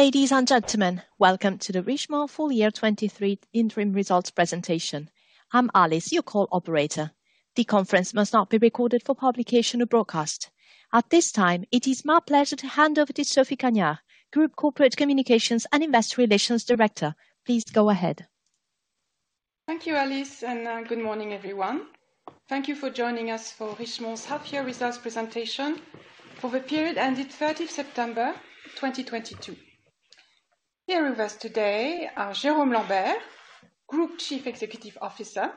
Ladies and gentlemen, welcome to the Richemont Full Year 2023 Interim Results Presentation. I'm Alice, your call operator. The conference must not be recorded for publication or broadcast. At this time, it is my pleasure to hand over to Sophie Cagnard, Group Corporate Communications and Investor Relations Director. Please go ahead. Thank you, Alice, and good morning, everyone. Thank you for joining us for Richemont's half year results presentation for the period ended 3rd of September 2022. Here with us today are Jérôme Lambert, Group Chief Executive Officer;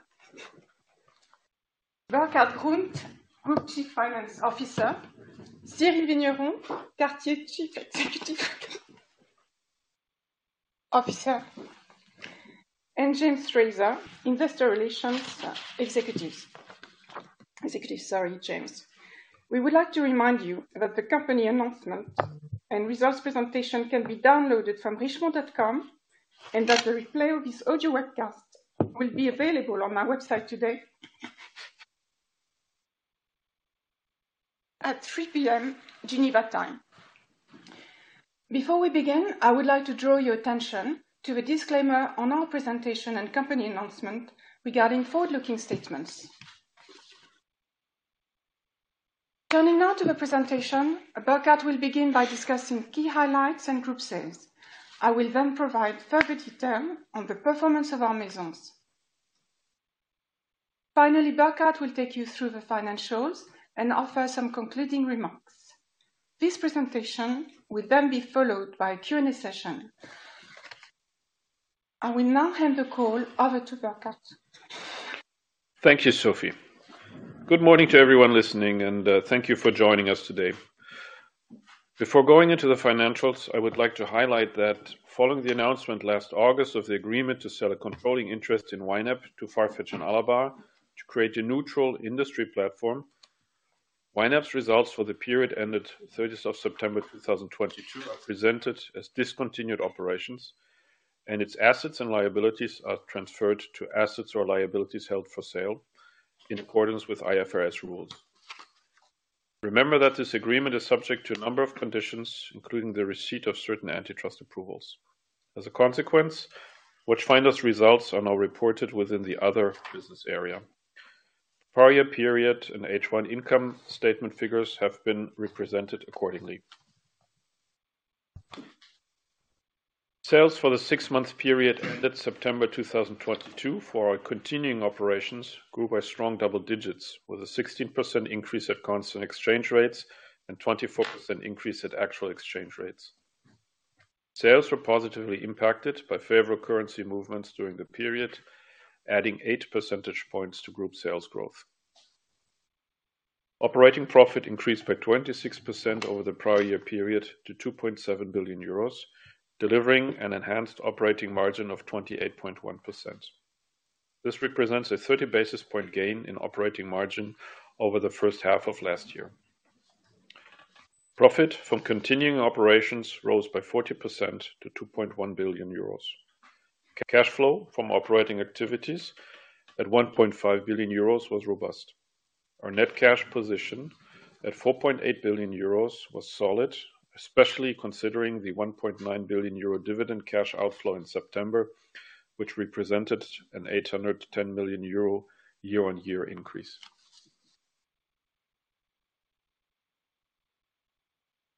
Burkhart Grund, Group Chief Finance Officer; Cyrille Vigneron, Cartier Chief Executive Officer; and James Fraser, Investor Relations Executive. Sorry, James. We would like to remind you that the company announcement and results presentation can be downloaded from richemont.com and that the replay of this audio webcast will be available on our website today at 3:00 P.M. Geneva time. Before we begin, I would like to draw your attention to the disclaimer on our presentation and company announcement regarding forward-looking statements. Turning now to the presentation, Burkhart will begin by discussing key highlights and group sales. I will then provide further detail on the performance of our Maisons. Finally, Burkhart will take you through the financials and offer some concluding remarks. This presentation will then be followed by a Q&A session. I will now hand the call over to Burkhart. Thank you, Sophie. Good morning to everyone listening, and thank you for joining us today. Before going into the financials, I would like to highlight that following the announcement last August of the agreement to sell a controlling interest in YNAP to Farfetch and Alabbar to create a neutral industry platform, YNAP's results for the period ended 30th of September 2022 are presented as discontinued operations, and its assets and liabilities are transferred to assets or liabilities held for sale in accordance with IFRS rules. Remember that this agreement is subject to a number of conditions, including the receipt of certain antitrust approvals. As a consequence, Watchfinder's results are now reported within the other business area. Prior year period and H1 income statement figures have been represented accordingly. Sales for the six-month period ended September 2022 for our continuing operations grew by strong double digits, with a 16% increase at constant exchange rates and 24% increase at actual exchange rates. Sales were positively impacted by favorable currency movements during the period, adding 8 percentage points to group sales growth. Operating profit increased by 26% over the prior year period to 2.7 billion euros, delivering an enhanced operating margin of 28.1%. This represents a 30 basis point gain in operating margin over the first half of last year. Profit from continuing operations rose by 40% to 2.1 billion euros. Cash flow from operating activities at 1.5 billion euros was robust. Our net cash position at 4.8 billion euros was solid, especially considering the 1.9 billion euro dividend cash outflow in September, which represented an 800 million-1,000 million euro year-on-year increase.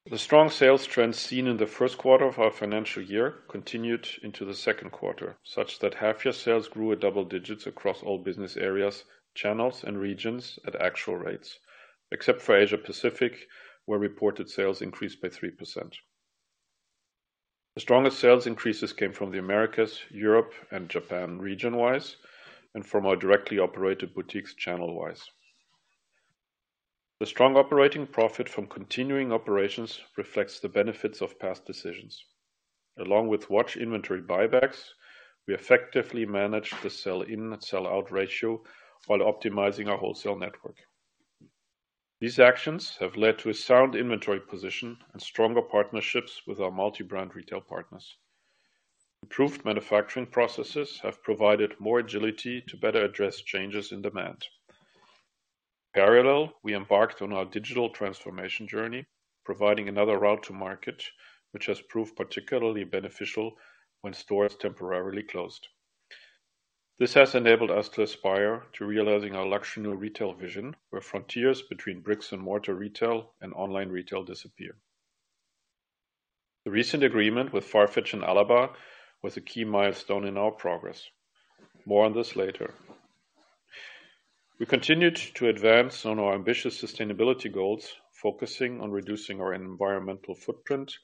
The strong sales trends seen in the first quarter of our financial year continued into the second quarter, such that half-year sales grew at double digits across all business areas, channels and regions at actual rates, except for Asia Pacific, where reported sales increased by 3%. The strongest sales increases came from the Americas, Europe and Japan region-wise, and from our directly operated boutiques channel-wise. The strong operating profit from continuing operations reflects the benefits of past decisions. Along with watch inventory buybacks, we effectively managed the sell-in, sell-out ratio while optimizing our wholesale network. These actions have led to a sound inventory position and stronger partnerships with our multi-brand retail partners. Improved manufacturing processes have provided more agility to better address changes in demand. In parallel, we embarked on our digital transformation journey, providing another route to market, which has proved particularly beneficial when stores temporarily closed. This has enabled us to aspire to realizing our luxury retail vision, where frontiers between bricks and mortar retail and online retail disappear. The recent agreement with Farfetch and Alabbar was a key milestone in our progress. More on this later. We continued to advance on our ambitious sustainability goals, focusing on reducing our environmental footprint,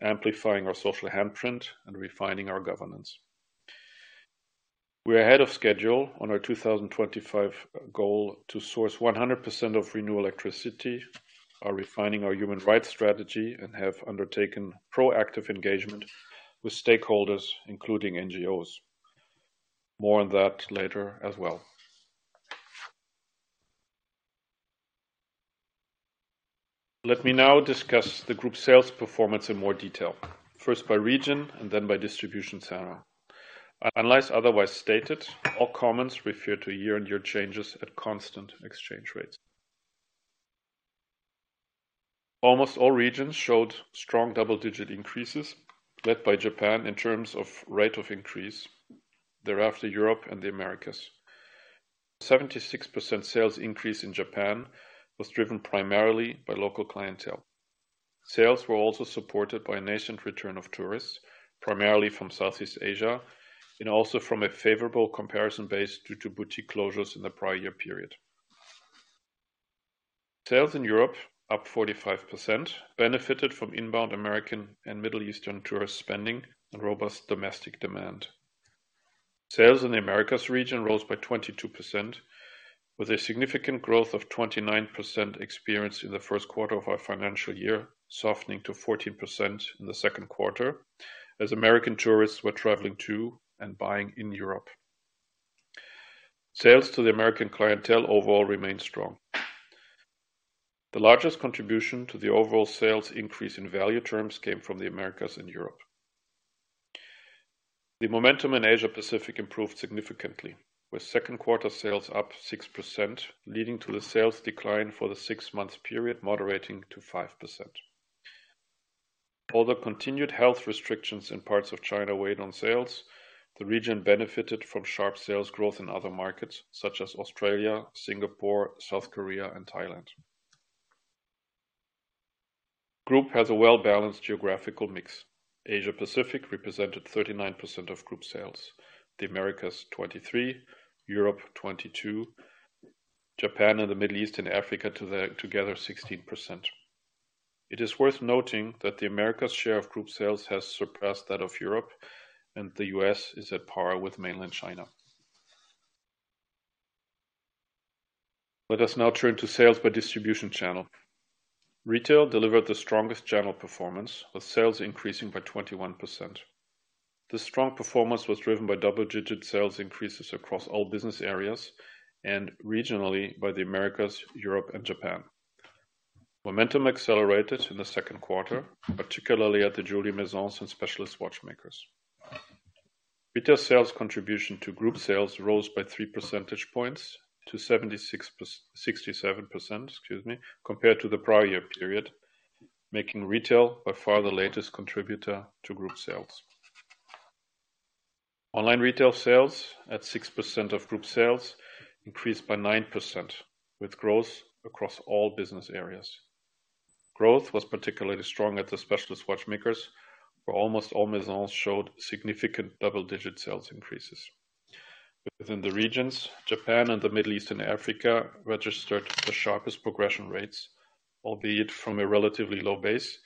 amplifying our social handprint, and refining our governance. We're ahead of schedule on our 2025 goal to source 100% of renewable electricity, are refining our human rights strategy, and have undertaken proactive engagement with stakeholders, including NGOs. More on that later as well. Let me now discuss the group sales performance in more detail, first by region and then by distribution channel. Unless otherwise stated, all comments refer to year-on-year changes at constant exchange rates. Almost all regions showed strong double-digit increases, led by Japan in terms of rate of increase. Thereafter, Europe and the Americas. 76% sales increase in Japan was driven primarily by local clientele. Sales were also supported by a nascent return of tourists, primarily from Southeast Asia and also from a favorable comparison base due to boutique closures in the prior year period. Sales in Europe, up 45%, benefited from inbound American and Middle Eastern tourist spending and robust domestic demand. Sales in the Americas region rose by 22% with a significant growth of 29% experienced in the first quarter of our financial year, softening to 14% in the second quarter as American tourists were traveling to and buying in Europe. Sales to the American clientele overall remained strong. The largest contribution to the overall sales increase in value terms came from the Americas and Europe. The momentum in Asia-Pacific improved significantly, with second quarter sales up 6%, leading to the sales decline for the six-month period moderating to 5%. Although continued health restrictions in parts of China weighed on sales, the region benefited from sharp sales growth in other markets such as Australia, Singapore, South Korea and Thailand. Group has a well-balanced geographical mix. Asia-Pacific represented 39% of group sales. The Americas, 23%. Europe, 22%. Japan and the Middle East and Africa together 16%. It is worth noting that the Americas share of group sales has surpassed that of Europe, and the U.S. is at par with mainland China. Let us now turn to sales by distribution channel. Retail delivered the strongest channel performance, with sales increasing by 21%. This strong performance was driven by double-digit sales increases across all business areas and regionally by the Americas, Europe and Japan. Momentum accelerated in the second quarter, particularly at the jewelry Maisons and specialist watchmakers. Retail sales contribution to group sales rose by three percentage points to 67%, excuse me, compared to the prior year period, making retail by far the largest contributor to group sales. Online retail sales at 6% of group sales increased by 9%, with growth across all business areas. Growth was particularly strong at the specialist watchmakers, where almost all Maisons showed significant double-digit sales increases. Within the regions, Japan and the Middle East and Africa registered the sharpest progression rates, albeit from a relatively low base.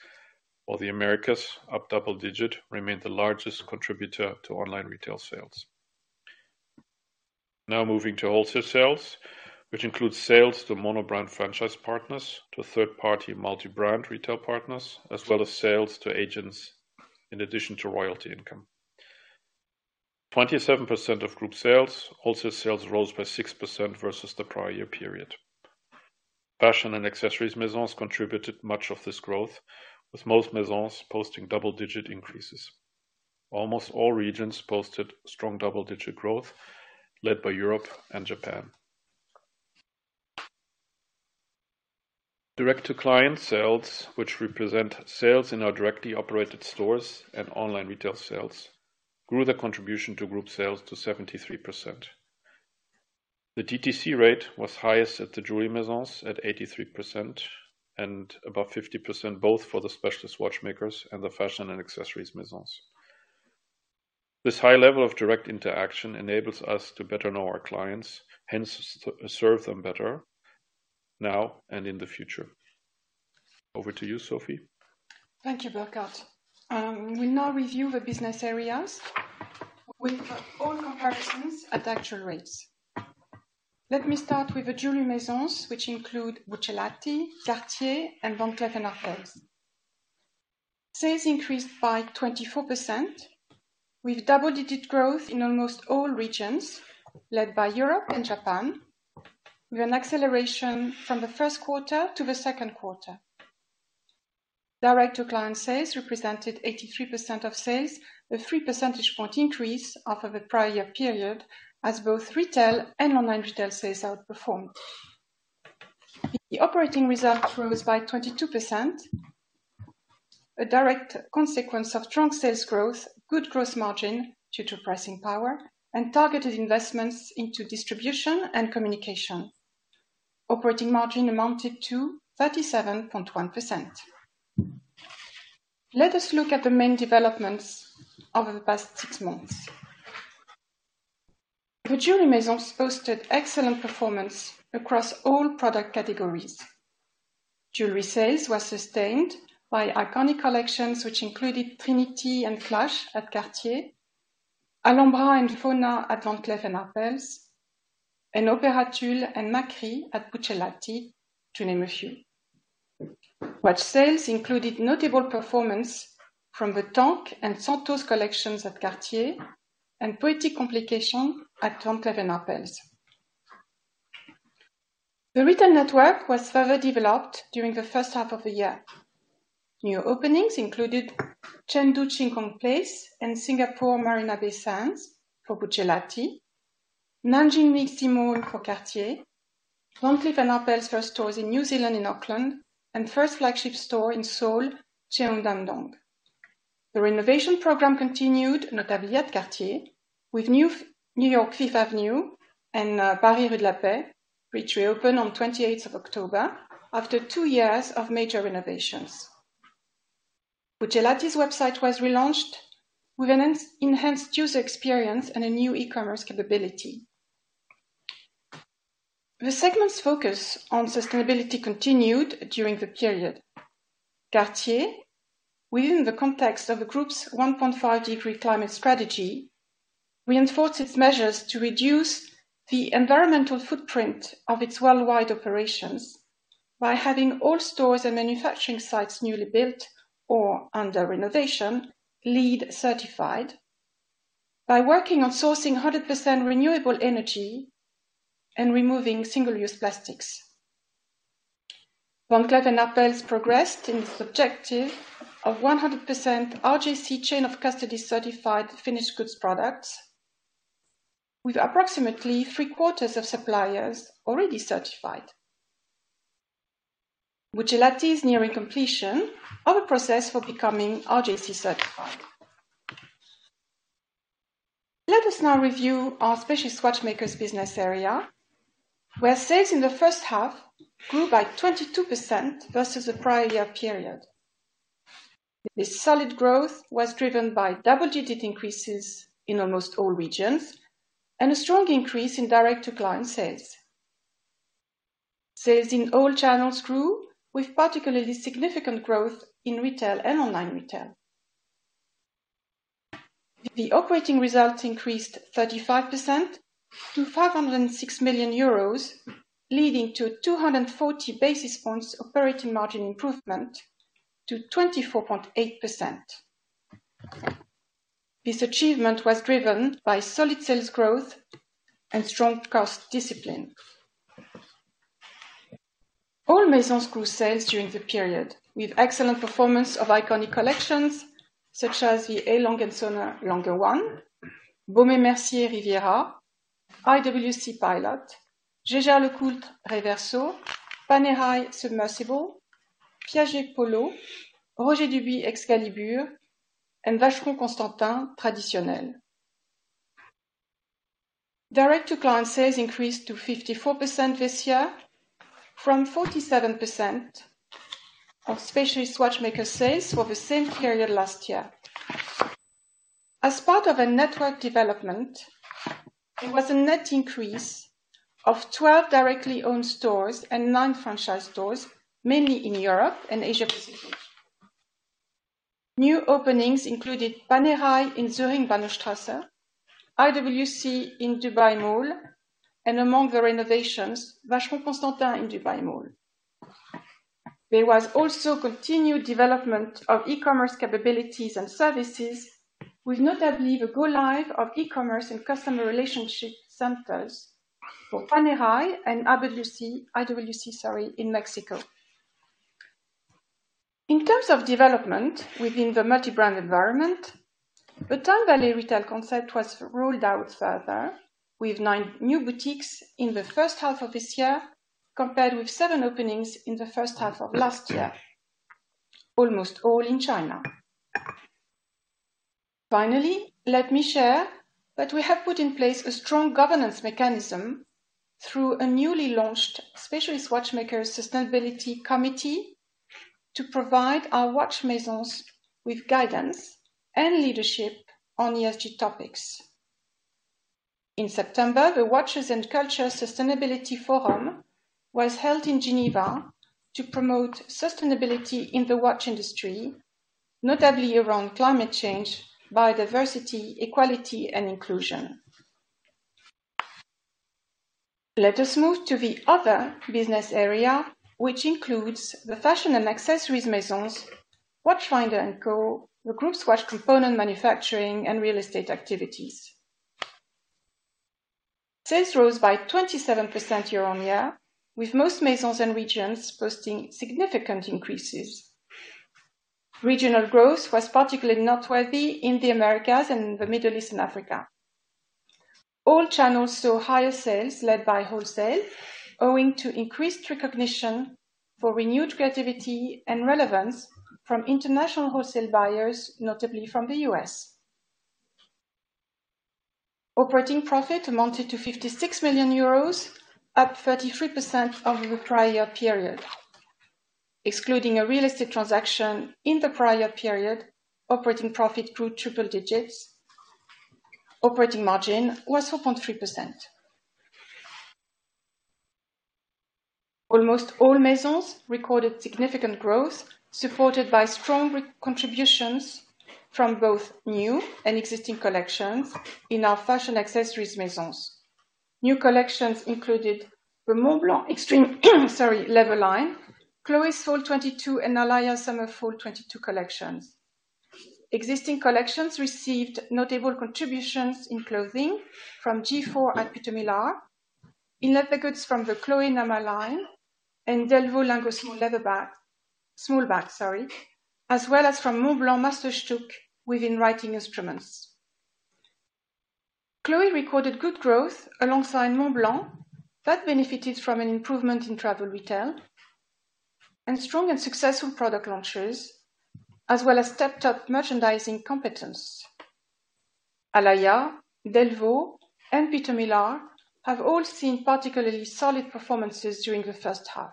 The Americas, up double digit, remained the largest contributor to online retail sales. Now moving to wholesale sales, which includes sales to monobrand franchise partners, to third-party multi-brand retail partners, as well as sales to agents in addition to royalty income. 27% of group sales. Wholesale sales rose by 6% versus the prior year period. Fashion and accessories Maisons contributed much of this growth, with most Maisons posting double-digit increases. Almost all regions posted strong double-digit growth, led by Europe and Japan. Direct-to-client sales, which represent sales in our directly operated stores and online retail sales, grew the contribution to group sales to 73%. The DTC rate was highest at the jewelry Maisons at 83% and above 50%, both for the specialist watchmakers and the fashion and accessories Maisons. This high level of direct interaction enables us to better know our clients, hence serve them better now and in the future. Over to you, Sophie. Thank you, Burkhart. We now review the business areas with all comparisons at actual rates. Let me start with the jewelry Maisons, which include Buccellati, Cartier and Van Cleef & Arpels. Sales increased by 24% with double-digit growth in almost all regions, led by Europe and Japan, with an acceleration from the first quarter to the second quarter. Direct-to-client sales represented 83% of sales, with three percentage point increase off of the prior period as both retail and online retail sales outperformed. The operating result rose by 22%, a direct consequence of strong sales growth, gross margin due to pricing power and targeted investments into distribution and communication. Operating margin amounted to 37.1%. Let us look at the main developments over the past six months. The jewelry Maisons posted excellent performance across all product categories. Jewelry sales were sustained by iconic collections which included Trinity and Clash at Cartier, Alhambra and Fauna at Van Cleef & Arpels, and Opera Tulle and Macri at Buccellati, to name a few. Watch sales included notable performance from the Tank and Santos collections at Cartier and Poetic Complications at Van Cleef & Arpels. The retail network was further developed during the first half of the year. New openings included Chengdu IFS and Singapore Marina Bay Sands for Buccellati, Nanjing Deji Plaza for Cartier, Van Cleef & Arpels first stores in New Zealand in Auckland, and first flagship store in Seoul, Cheongdam-dong. The renovation program continued notably at Cartier with new Fifth Avenue, New York and Paris Rue de la Paix, which reopened on 28th of October after two years of major renovations. Buccellati's website was relaunched with an enhanced user experience and a new e-commerce capability. The segment's focus on sustainability continued during the period. Cartier, within the context of the group's 1.5-degree climate strategy, reinforced its measures to reduce the environmental footprint of its worldwide operations by having all stores and manufacturing sites newly built or under renovation LEED certified by working on sourcing 100% renewable energy and removing single-use plastics. Van Cleef & Arpels progressed in its objective of 100% RJC chain of custody certified finished goods products with approximately three-quarters of suppliers already certified. Buccellati is nearing completion of a process for becoming RJC certified. Let us now review our Specialist Watchmakers business area, where sales in the first half grew by 22% versus the prior year period. This solid growth was driven by double-digit increases in almost all regions and a strong increase in direct-to-client sales. Sales in all channels grew with particularly significant growth in retail and online retail. The operating results increased 35% to 506 million euros, leading to 240 basis points operating margin improvement to 24.8%. This achievement was driven by solid sales growth and strong cost discipline. All Maisons grew sales during the period, with excellent performance of iconic collections such as the A. Lange & Söhne Lange 1, Baume & Mercier Riviera, IWC Pilot's Watch, Jaeger-LeCoultre Reverso, Panerai Submersible, Piaget Polo, Roger Dubuis Excalibur, and Vacheron Constantin Traditionnelle. Direct-to-client sales increased to 54% this year from 47% of Specialist Watchmakers sales for the same period last year. As part of a network development, there was a net increase of 12 directly owned stores and 9 franchise stores, mainly in Europe and Asia Pacific. New openings included Panerai in Zürich Bahnhofstrasse, IWC in Dubai Mall, and among the renovations, Vacheron Constantin in Dubai Mall. There was also continued development of e-commerce capabilities and services, with notably the go live of e-commerce and customer relationship centers for Panerai and IWC in Mexico. In terms of development within the multi-brand environment, the TimeVallée retail concept was rolled out further with 9 new boutiques in the first half of this year, compared with seven openings in the first half of last year, almost all in China. Finally, let me share that we have put in place a strong governance mechanism through a newly launched Specialist Watchmakers Sustainability Committee to provide our watch Maisons with guidance and leadership on ESG topics. In September, the Watches and Culture Sustainability Forum was held in Geneva to promote sustainability in the watch industry, notably around climate change, biodiversity, equality, and inclusion. Let us move to the other business area, which includes the Fashion and Accessories Maisons, Watchfinder & Co., the Group's watch component manufacturing, and real estate activities. Sales rose by 27% year-on-year, with most Maisons and regions posting significant increases. Regional growth was particularly noteworthy in the Americas and the Middle East and Africa. All channels saw higher sales led by wholesale, owing to increased recognition for renewed creativity and relevance from international wholesale buyers, notably from the U.S. Operating profit amounted to 56 million euros, up 33% over the prior period. Excluding a real estate transaction in the prior period, operating profit grew triple digits. Operating margin was 4.3%. Almost all Maisons recorded significant growth, supported by strong contributions from both new and existing collections in our Fashion & Accessories Maisons. New collections included the Montblanc Extreme, Leverline, Chloé Fall 2022 and Alaïa Summer/Fall 2022 collections. Existing collections received notable contributions in clothing from G/FORE at Peter Millar in leather goods from the Chloé Nama line and Delvaux Le Mutin small leather bag, as well as from Montblanc Meisterstück within writing instruments. Chloé recorded good growth alongside Montblanc that benefited from an improvement in travel retail and strong and successful product launches, as well as stepped-up merchandising competence. Alaïa, Delvaux, and Peter Millar have all seen particularly solid performances during the first half.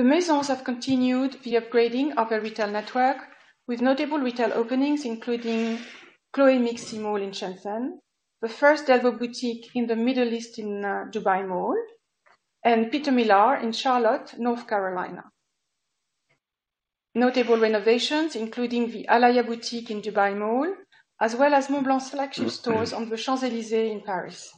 The Maisons have continued the upgrading of their retail network with notable retail openings, including Chloé MixC mall in Shenzhen, the first ever boutique in the Middle East in Dubai Mall, and Peter Millar in Charlotte, North Carolina. Notable renovations including the Alaïa boutique in Dubai Mall, as well as Montblanc selection stores on the Champs-Élysées in Paris.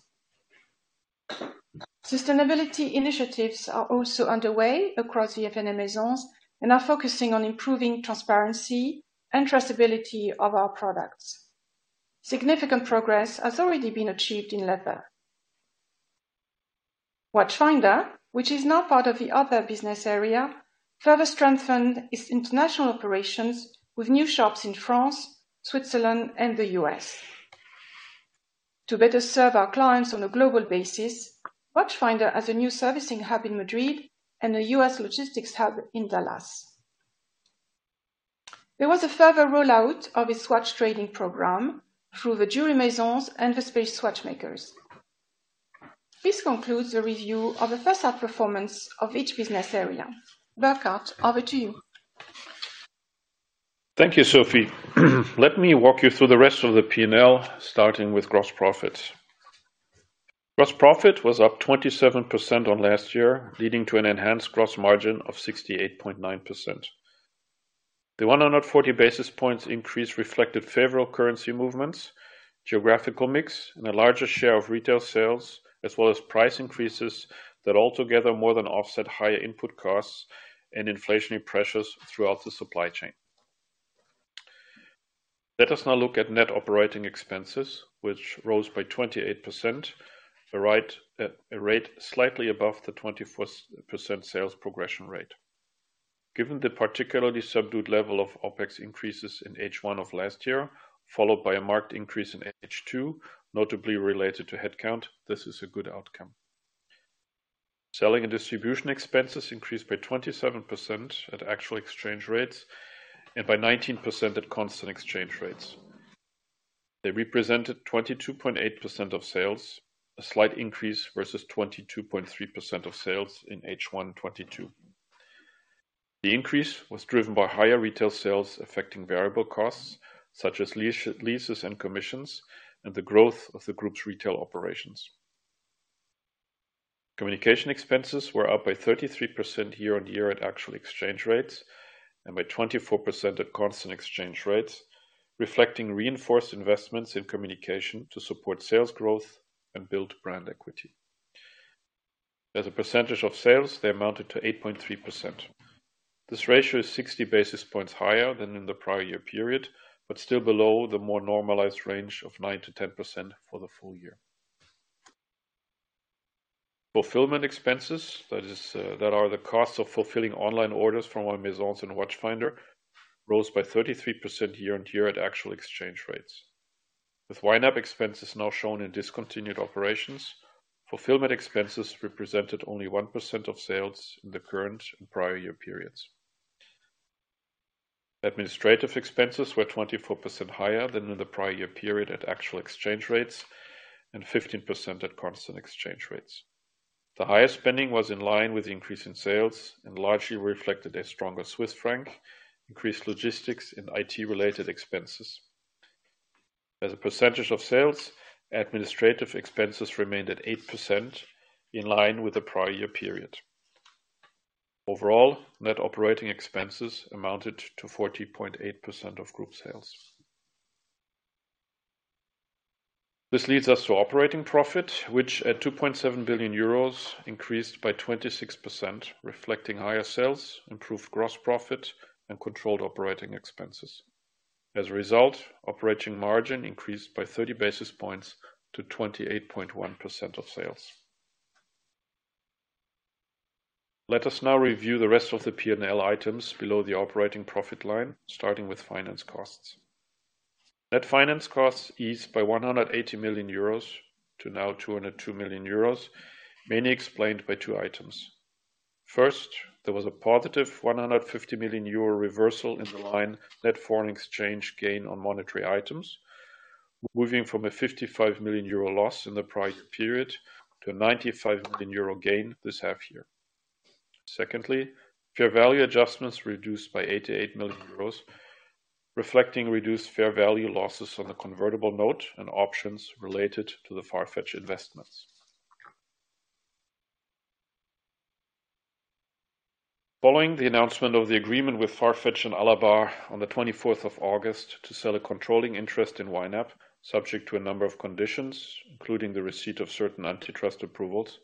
Sustainability initiatives are also underway across the Maisons and are focusing on improving transparency and traceability of our products. Significant progress has already been achieved in leather. Watchfinder, which is now part of the other business area, further strengthened its international operations with new shops in France, Switzerland, and the U.S. To better serve our clients on a global basis, Watchfinder has a new servicing hub in Madrid and a U.S. logistics hub in Dallas. There was a further rollout of its watch trading program through the jewelry Maisons and the specialist watchmakers. This concludes the review of the first half performance of each business area. Burkhart, over to you. Thank you, Sophie. Let me walk you through the rest of the P&L, starting with gross profit. Gross profit was up 27% on last year, leading to an enhanced gross margin of 68.9%. The 140 basis points increase reflected favorable currency movements, geographical mix, and a larger share of retail sales, as well as price increases that altogether more than offset higher input costs and inflationary pressures throughout the supply chain. Let us now look at net operating expenses, which rose by 28%, a rate slightly above the 24% sales progression rate. Given the particularly subdued level of OpEx increases in H1 of last year, followed by a marked increase in H2, notably related to headcount, this is a good outcome. Selling and distribution expenses increased by 27% at actual exchange rates and by 19% at constant exchange rates. They represented 22.8% of sales, a slight increase versus 22.3% of sales in H1 2022. The increase was driven by higher retail sales affecting variable costs such as leases and commissions, and the growth of the group's retail operations. Communication expenses were up by 33% year-over-year at actual exchange rates and by 24% at constant exchange rates, reflecting reinforced investments in communication to support sales growth and build brand equity. As a percentage of sales, they amounted to 8.3%. This ratio is 60 basis points higher than in the prior year period, but still below the more normalized range of 9%-10% for the full year. Fulfillment expenses, that is, that are the cost of fulfilling online orders from our Maisons and Watchfinder, rose by 33% year-on-year at actual exchange rates. With YNAP expenses now shown in discontinued operations, fulfillment expenses represented only 1% of sales in the current and prior year periods. Administrative expenses were 24% higher than in the prior year period at actual exchange rates, and 15% at constant exchange rates. The higher spending was in line with the increase in sales and largely reflected a stronger Swiss franc, increased logistics, and IT-related expenses. As a percentage of sales, administrative expenses remained at 8% in line with the prior year period. Overall, net operating expenses amounted to 40.8% of group sales. This leads us to operating profit, which at 2.7 billion euros increased by 26%, reflecting higher sales, improved gross profit, and controlled operating expenses. As a result, operating margin increased by thirty basis points to 28.1% of sales. Let us now review the rest of the P&L items below the operating profit line, starting with finance costs. Net finance costs eased by 180 million euros to now 202 million euros, mainly explained by two items. First, there was a positive 150 million euro reversal in the line net foreign exchange gain on monetary items, moving from a 55 million euro loss in the prior year period to a 95 million euro gain this half year. Secondly, fair value adjustments reduced by 88 million euros, reflecting reduced fair value losses on the convertible note and options related to the Farfetch investments. Following the announcement of the agreement with Farfetch and Alabbar on August 24 to sell a controlling interest in YNAP, subject to a number of conditions, including the receipt of certain antitrust approvals,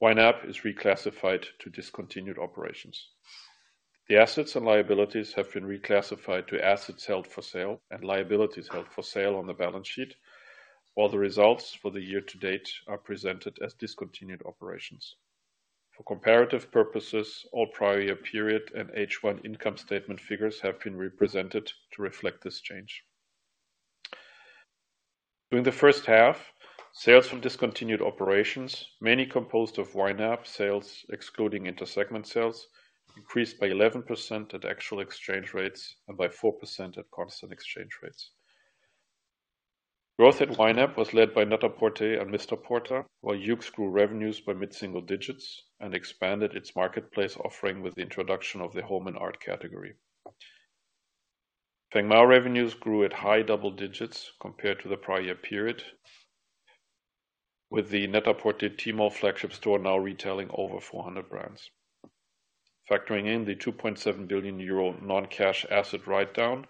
YNAP is reclassified to discontinued operations. The assets and liabilities have been reclassified to assets held for sale and liabilities held for sale on the balance sheet, while the results for the year to date are presented as discontinued operations. For comparative purposes, all prior period and H1 income statement figures have been represented to reflect this change. During the first half, sales from discontinued operations, mainly composed of YNAP sales excluding inter-segment sales, increased by 11% at actual exchange rates and by 4% at constant exchange rates. Growth at YNAP was led by Net-a-Porter and Mr Porter, while Yoox grew revenues by mid-single digits and expanded its marketplace offering with the introduction of the home and art category. Feng Mao revenues grew at high double digits compared to the prior period, with the Net-a-Porter Tmall flagship store now retailing over 400 brands. Factoring in the 2.7 billion euro non-cash asset write-down,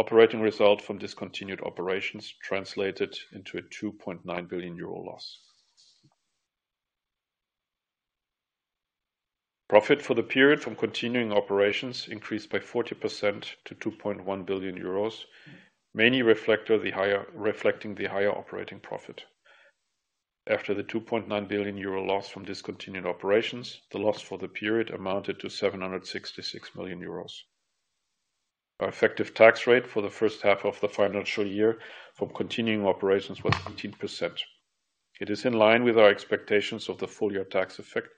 operating result from discontinued operations translated into a 2.9 billion euro loss. Profit for the period from continuing operations increased by 40% to 2.1 billion euros, mainly reflecting the higher operating profit. After the 2.9 billion euro loss from discontinued operations, the loss for the period amounted to 766 million euros. Our effective tax rate for the first half of the financial year from continuing operations was 18%. It is in line with our expectations of the full-year tax effect,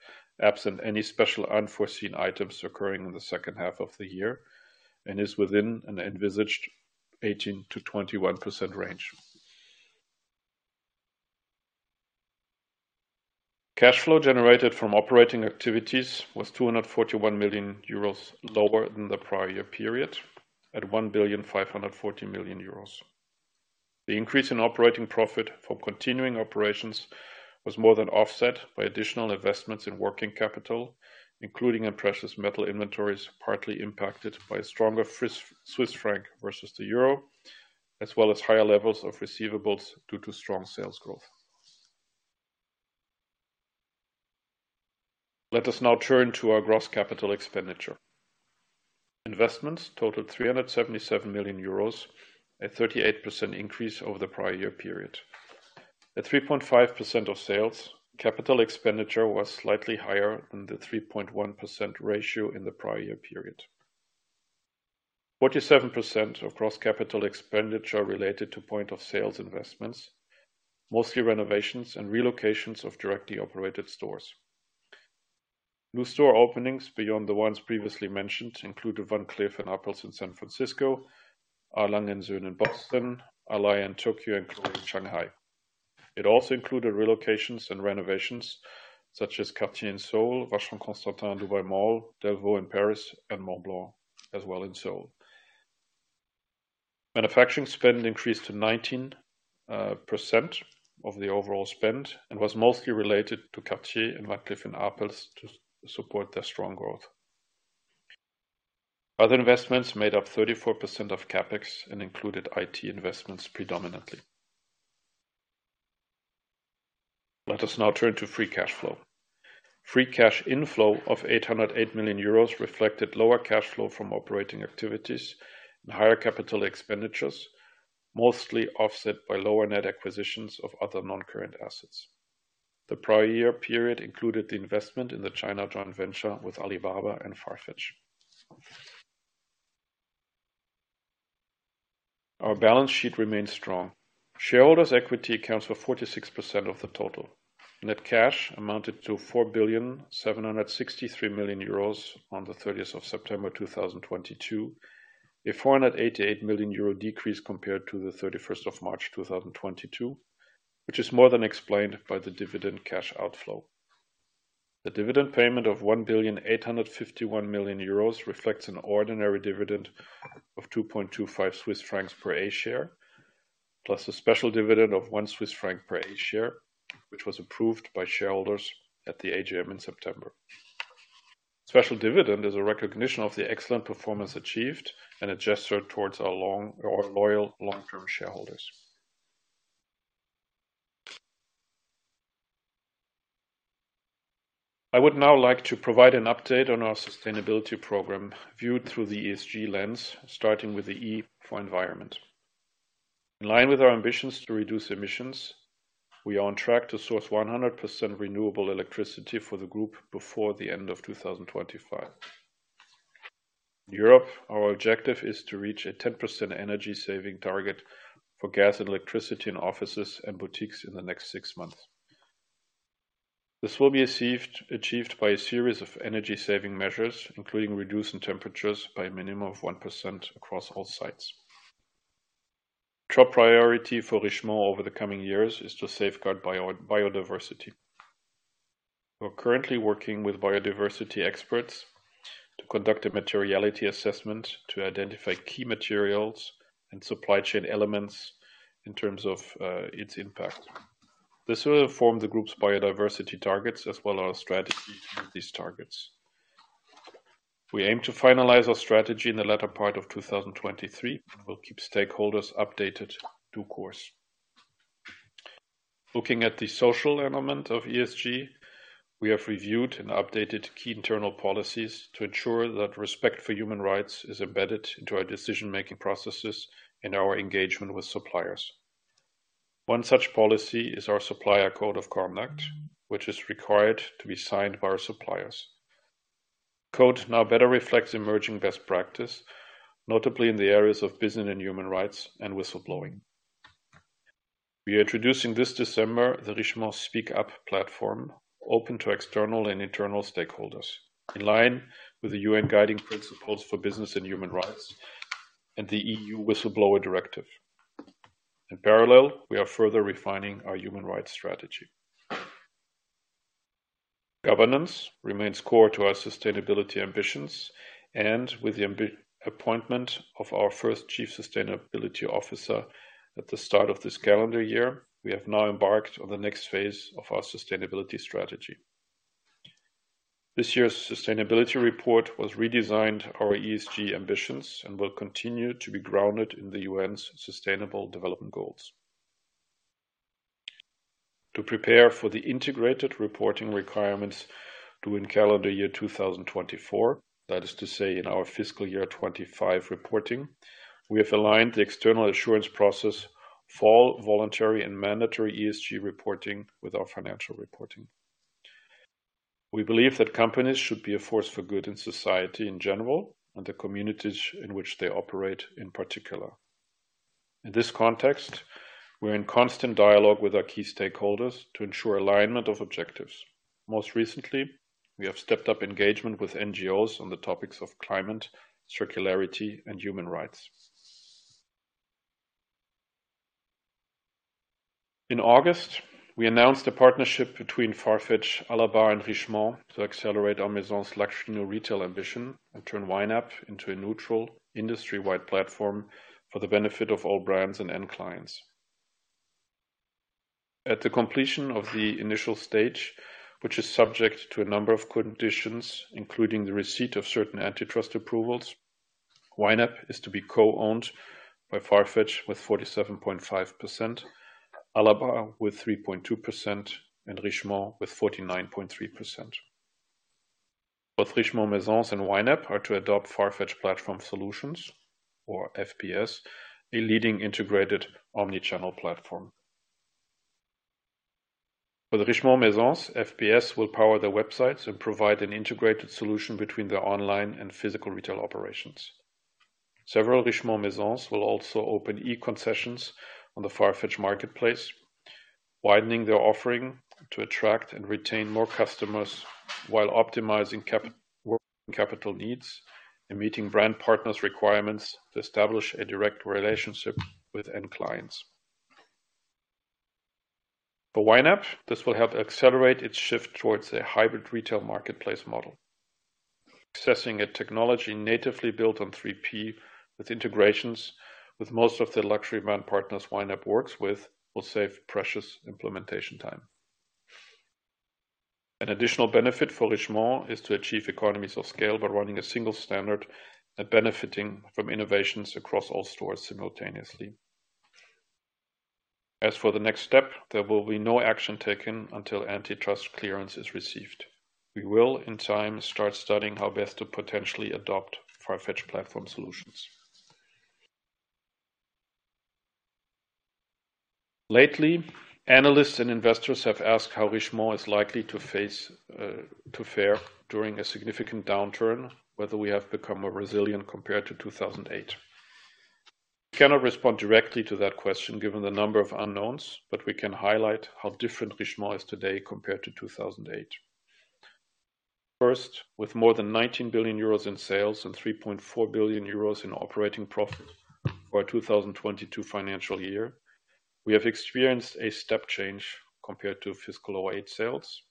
absent any special unforeseen items occurring in the second half of the year, and is within an envisaged 18%-21% range. Cash flow generated from operating activities was 241 million euros lower than the prior year period at 1,540 million euros. The increase in operating profit from continuing operations was more than offset by additional investments in working capital, including in precious metal inventories, partly impacted by a stronger Swiss franc versus the euro, as well as higher levels of receivables due to strong sales growth. Let us now turn to our gross capital expenditure. Investments totaled 377 million euros, a 38% increase over the prior year period. At 3.5% of sales, capital expenditure was slightly higher than the 3.1% ratio in the prior year period. 47% of gross capital expenditure related to point of sales investments, mostly renovations and relocations of directly operated stores. New store openings beyond the ones previously mentioned include Van Cleef & Arpels in San Francisco, A. Lange & Söhne in Boston, Alaïa in Tokyo, and Chloé in Shanghai. It also included relocations and renovations such as Cartier in Seoul, Vacheron Constantin Dubai Mall, Delvaux in Paris, and Montblanc as well in Seoul. Manufacturing spend increased to 19% of the overall spend and was mostly related to Cartier and Van Cleef & Arpels to support their strong growth. Other investments made up 34% of CapEx and included IT investments predominantly. Let us now turn to free cash flow. Free cash inflow of 808 million euros reflected lower cash flow from operating activities and higher capital expenditures, mostly offset by lower net acquisitions of other non-current assets. The prior year period included the investment in the China joint venture with Alibaba and Farfetch. Our balance sheet remains strong. Shareholders' equity accounts for 46% of the total. Net cash amounted to 4,763 million euros on the thirtieth of September 2022, a 488 million euro decrease compared to the thirty-first of March 2022, which is more than explained by the dividend cash outflow. The dividend payment of 1,851 million euros reflects an ordinary dividend of 2.25 Swiss francs per A-share, plus a special dividend of 1 Swiss franc per A-share, which was approved by shareholders at the AGM in September. Special dividend is a recognition of the excellent performance achieved and a gesture towards our loyal long-term shareholders. I would now like to provide an update on our sustainability program viewed through the ESG lens, starting with the E for environment. In line with our ambitions to reduce emissions, we are on track to source 100% renewable electricity for the group before the end of 2025. Europe, our objective is to reach a 10% energy saving target for gas and electricity in offices and boutiques in the next six months. This will be achieved by a series of energy-saving measures, including reducing temperatures by a minimum of 1% across all sites. Top priority for Richemont over the coming years is to safeguard biodiversity. We are currently working with biodiversity experts to conduct a materiality assessment to identify key materials and supply chain elements in terms of its impact. This will form the group's biodiversity targets as well as our strategy to meet these targets. We aim to finalize our strategy in the latter part of 2023, and we'll keep stakeholders updated in due course. Looking at the social element of ESG, we have reviewed and updated key internal policies to ensure that respect for human rights is embedded into our decision-making processes and our engagement with suppliers. One such policy is our Supplier Code of Conduct, which is required to be signed by our suppliers. The code now better reflects emerging best practice, notably in the areas of business and human rights and whistleblowing. We are introducing this December the Richemont Speak Up platform, open to external and internal stakeholders, in line with the UN Guiding Principles on Business and Human Rights and the EU Whistleblower Directive. In parallel, we are further refining our human rights strategy. Governance remains core to our sustainability ambitions, and with the appointment of our first Chief Sustainability Officer at the start of this calendar year, we have now embarked on the next phase of our sustainability strategy. This year's sustainability report was redesigned to our ESG ambitions and will continue to be grounded in the UN's Sustainable Development Goals. To prepare for the integrated reporting requirements due in calendar year 2024, that is to say, in our fiscal year 2025 reporting, we have aligned the external assurance process for all voluntary and mandatory ESG reporting with our financial reporting. We believe that companies should be a force for good in society in general, and the communities in which they operate in particular. In this context, we're in constant dialogue with our key stakeholders to ensure alignment of objectives. Most recently, we have stepped up engagement with NGOs on the topics of climate, circularity, and human rights. In August, we announced a partnership between Farfetch, Alibaba, and Richemont to accelerate our Maisons luxury retail ambition and turn YNAP into a neutral industry-wide platform for the benefit of all brands and end clients. At the completion of the initial stage, which is subject to a number of conditions, including the receipt of certain antitrust approvals, YNAP is to be co-owned by Farfetch with 47.5%, Alibaba with 3.2%, and Richemont with 49.3%. Both Richemont Maisons and YNAP are to adopt Farfetch Platform Solutions, or FPS, a leading integrated omni-channel platform. For the Richemont Maisons, FPS will power their websites and provide an integrated solution between their online and physical retail operations. Several Richemont Maisons will also open e-concessions on the Farfetch marketplace, widening their offering to attract and retain more customers while optimizing working capital needs and meeting brand partners' requirements to establish a direct relationship with end clients. For YNAP, this will help accelerate its shift towards a hybrid retail marketplace model. Accessing a technology natively built on three P with integrations with most of the luxury brand partners YNAP works with, will save precious implementation time. An additional benefit for Richemont is to achieve economies of scale by running a single standard and benefiting from innovations across all stores simultaneously. As for the next step, there will be no action taken until antitrust clearance is received. We will, in time, start studying how best to potentially adopt Farfetch Platform Solutions. Lately, analysts and investors have asked how Richemont is likely to face, to fare during a significant downturn, whether we have become more resilient compared to 2008. I cannot respond directly to that question given the number of unknowns, but we can highlight how different Richemont is today compared to 2008. First, with more than 19 billion euros in sales and 3.4 billion euros in operating profit for our 2022 financial year, we have experienced a step change compared to fiscal 2008 sales,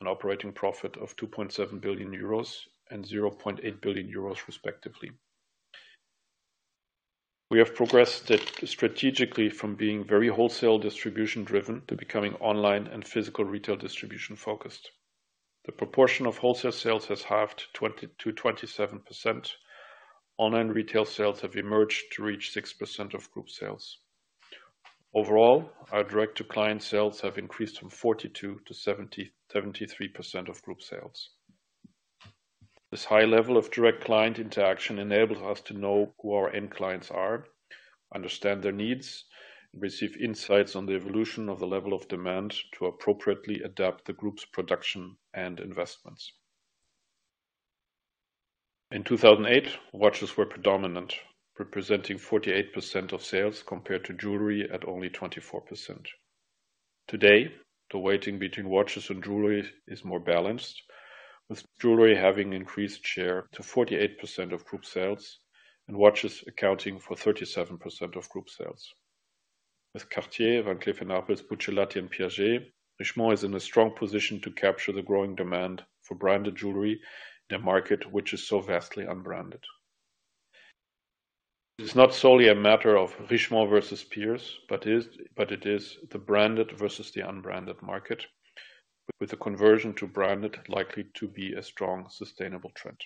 an operating profit of 2.7 billion euros and 0.8 billion euros respectively. We have progressed strategically from being very wholesale distribution-driven to becoming online and physical retail distribution-focused. The proportion of wholesale sales has halved 20%-27%. Online retail sales have emerged to reach 6% of group sales. Overall, our direct-to-client sales have increased from 42%-73% of group sales. This high level of direct client interaction enables us to know who our end clients are, understand their needs, and receive insights on the evolution of the level of demand to appropriately adapt the group's production and investments. In 2008, watches were predominant, representing 48% of sales, compared to jewelry at only 24%. Today, the weighting between watches and jewelry is more balanced, with jewelry having increased share to 48% of group sales and watches accounting for 37% of group sales. With Cartier, Van Cleef & Arpels, Buccellati, and Piaget, Richemont is in a strong position to capture the growing demand for branded jewelry in a market which is so vastly unbranded. It is not solely a matter of Richemont versus peers, but it is the branded versus the unbranded market, with the conversion to branded likely to be a strong, sustainable trend.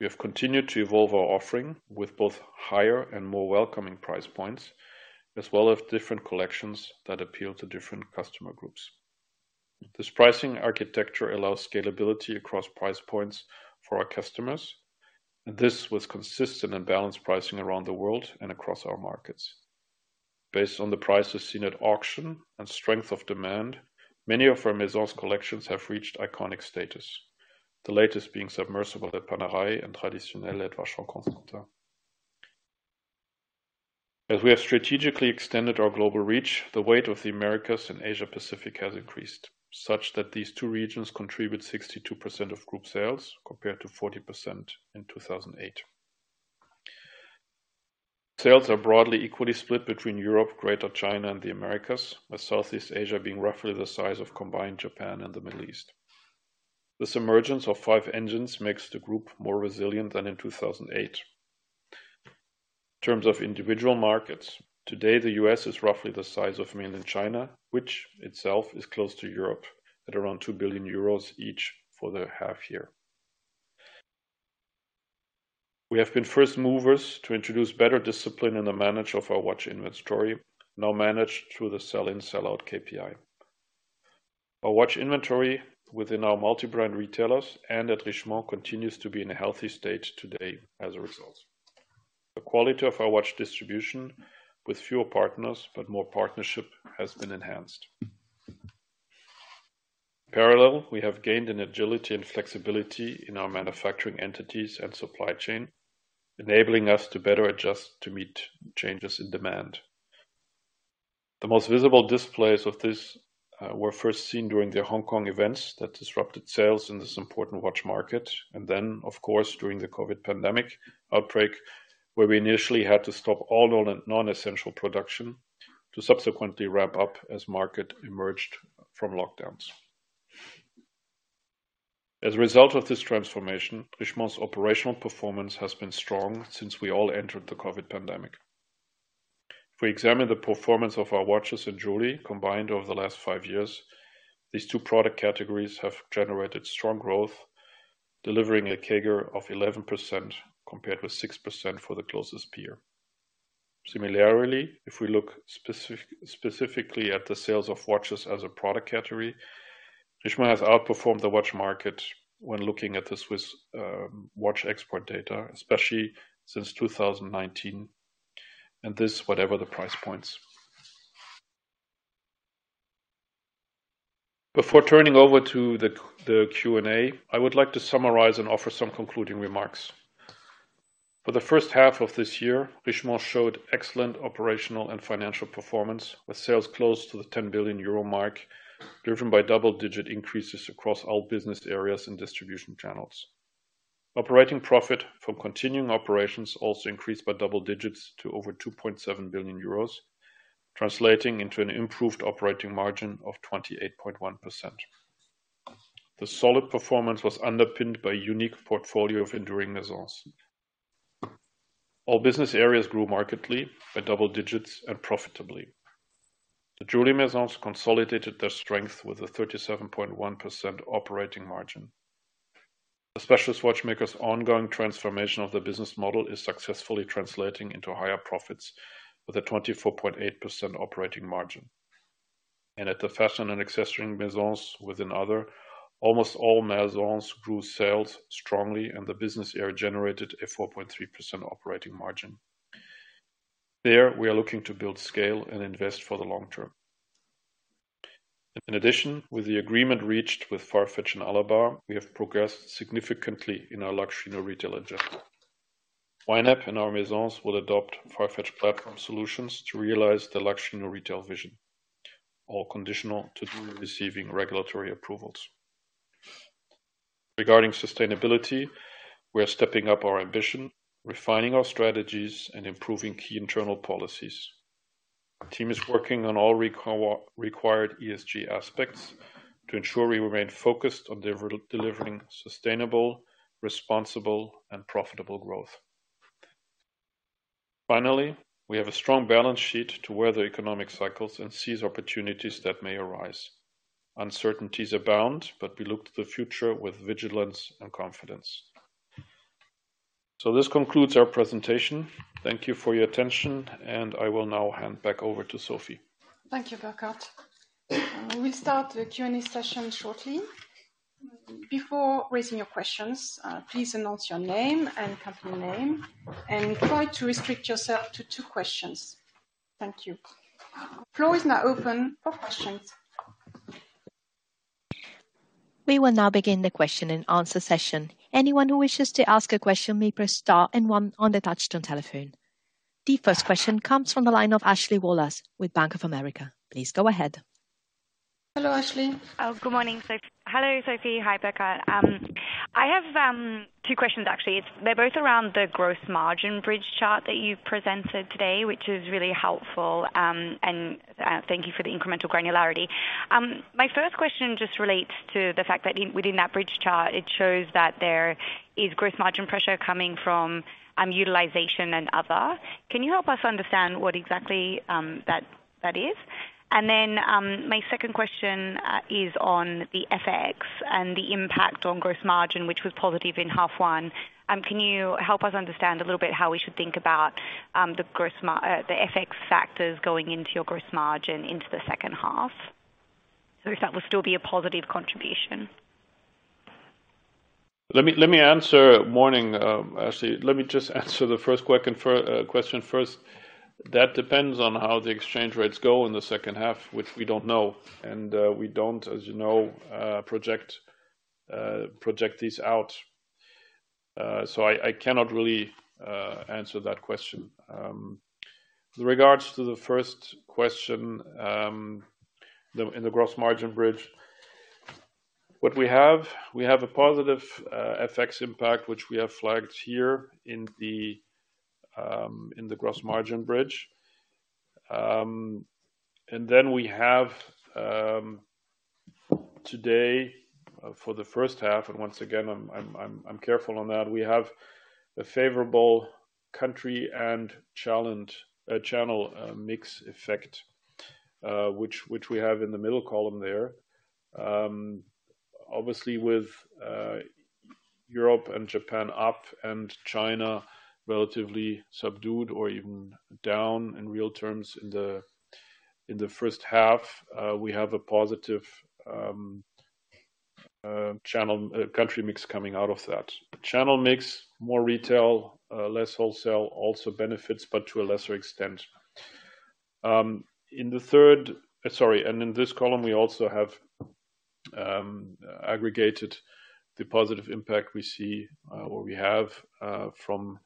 We have continued to evolve our offering with both higher and more welcoming price points, as well as different collections that appeal to different customer groups. This pricing architecture allows scalability across price points for our customers. This was consistent in balanced pricing around the world and across our markets. Based on the prices seen at auction and strength of demand, many of our Maisons collections have reached iconic status, the latest being Submersible at Panerai and Traditionnelle at Vacheron Constantin. As we have strategically extended our global reach, the weight of the Americas and Asia Pacific has increased, such that these two regions contribute 62% of group sales compared to 40% in 2008. Sales are broadly equally split between Europe, Greater China, and the Americas, with Southeast Asia being roughly the size of combined Japan and the Middle East. This emergence of five engines makes the group more resilient than in 2008. In terms of individual markets, today, the US is roughly the size of Mainland China, which itself is close to Europe at around 2 billion euros each for the half year. We have been first movers to introduce better discipline in the management of our watch inventory, now managed through the sell-in, sell-out KPI. Our watch inventory within our multi-brand retailers and at Richemont continues to be in a healthy state today as a result. The quality of our watch distribution with fewer partners, but more partnership has been enhanced. In parallel, we have gained an agility and flexibility in our manufacturing entities and supply chain, enabling us to better adjust to meet changes in demand. The most visible displays of this were first seen during the Hong Kong events that disrupted sales in this important watch market, and then of course, during the COVID pandemic outbreak, where we initially had to stop all non-essential production to subsequently ramp up as market emerged from lockdowns. As a result of this transformation, Richemont's operational performance has been strong since we all entered the COVID pandemic. If we examine the performance of our watches and jewelry combined over the last five years, these two product categories have generated strong growth, delivering a CAGR of 11% compared with 6% for the closest peer. Similarly, if we look specifically at the sales of watches as a product category, Richemont has outperformed the watch market when looking at the Swiss watch export data, especially since 2019. This, whatever the price points. Before turning over to the Q&A, I would like to summarize and offer some concluding remarks. For the first half of this year, Richemont showed excellent operational and financial performance, with sales close to the 10 billion euro mark, driven by double-digit increases across all business areas and distribution channels. Operating profit from continuing operations also increased by double digits to over 2.7 billion euros, translating into an improved operating margin of 28.1%. The solid performance was underpinned by a unique portfolio of enduring Maisons. All business areas grew markedly by double digits and profitably. The jewelry Maisons consolidated their strength with a 37.1% operating margin. The specialist watchmaker's ongoing transformation of the business model is successfully translating into higher profits with a 24.8% operating margin. At the fashion and accessory Maisons with other, almost all Maisons grew sales strongly, and the business area generated a 4.3% operating margin. There, we are looking to build scale and invest for the long term. In addition, with the agreement reached with Farfetch and Alabbar, we have progressed significantly in our luxury retail agenda. YNAP and our Maisons will adopt Farfetch Platform Solutions to realize the luxury retail vision, all conditional on receiving regulatory approvals. Regarding sustainability, we are stepping up our ambition, refining our strategies, and improving key internal policies. Our team is working on all required ESG aspects to ensure we remain focused on delivering sustainable, responsible, and profitable growth. Finally, we have a strong balance sheet to weather economic cycles and seize opportunities that may arise. Uncertainties abound, but we look to the future with vigilance and confidence. This concludes our presentation. Thank you for your attention, and I will now hand back over to Sophie. Thank you, Burkhart. We will start the Q&A session shortly. Before raising your questions, please announce your name and company name and try to restrict yourself to two questions. Thank you. Floor is now open for questions. We will now begin the question and answer session. Anyone who wishes to ask a question may press star and one on the touchtone telephone. The first question comes from the line of Ashley Wallace with Bank of America. Please go ahead. Hello, Ashley. Oh, good morning, Sophie. Hello, Sophie. Hi, Burkhart. I have two questions, actually. They're both around the growth margin bridge chart that you presented today, which is really helpful. Thank you for the incremental granularity. My first question just relates to the fact that within that bridge chart, it shows that there is growth margin pressure coming from utilization and other. Can you help us understand what exactly that is? Then my second question is on the FX and the impact on gross margin, which was positive in half one. Can you help us understand a little bit how we should think about the FX factors going into your gross margin into the second half? So if that will still be a positive contribution. Actually, let me just answer the first question first. That depends on how the exchange rates go in the second half, which we don't know, and, as you know, we don't project this out. I cannot really answer that question. With regards to the first question, in the gross margin bridge, we have a positive FX impact, which we have flagged here in the gross margin bridge. Then we have, to date for the first half, and once again, I'm careful on that, we have a favorable country and channel mix effect, which we have in the middle column there. Obviously with Europe and Japan up and China relatively subdued or even down in real terms in the first half, we have a positive channel country mix coming out of that. Channel mix, more retail, less wholesale also benefits, but to a lesser extent. In this column we also have aggregated the positive impact we see or we have from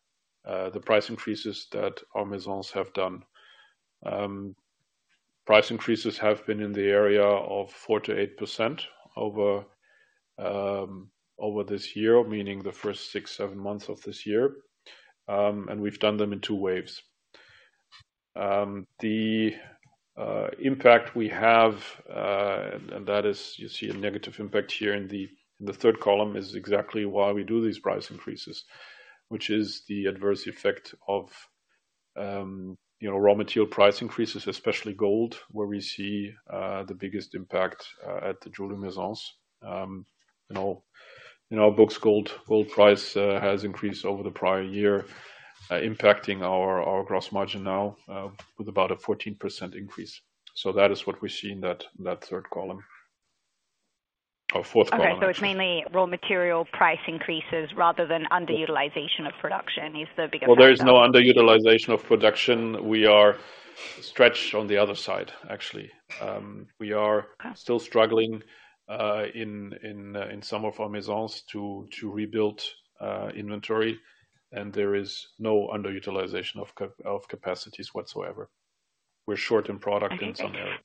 the price increases that our Maisons have done. Price increases have been in the area of 4%-8% over this year, meaning the first six, seven months of this year. We've done them in two waves. The impact we have, that is, you see a negative impact here in the third column is exactly why we do these price increases, which is the adverse effect of, you know, raw material price increases, especially gold, where we see the biggest impact at the jewelry Maisons. In our books, gold price has increased over the prior year, impacting our gross margin now with about a 14% increase. That is what we see in that third column. Or fourth column, actually. Okay. It's mainly raw material price increases rather than underutilization of production is the biggest factor. Well, there is no underutilization of production. We are stretched on the other side, actually. Okay. Still struggling in some of our Maisons to rebuild inventory, and there is no underutilization of capacities whatsoever. We're short in product in some areas.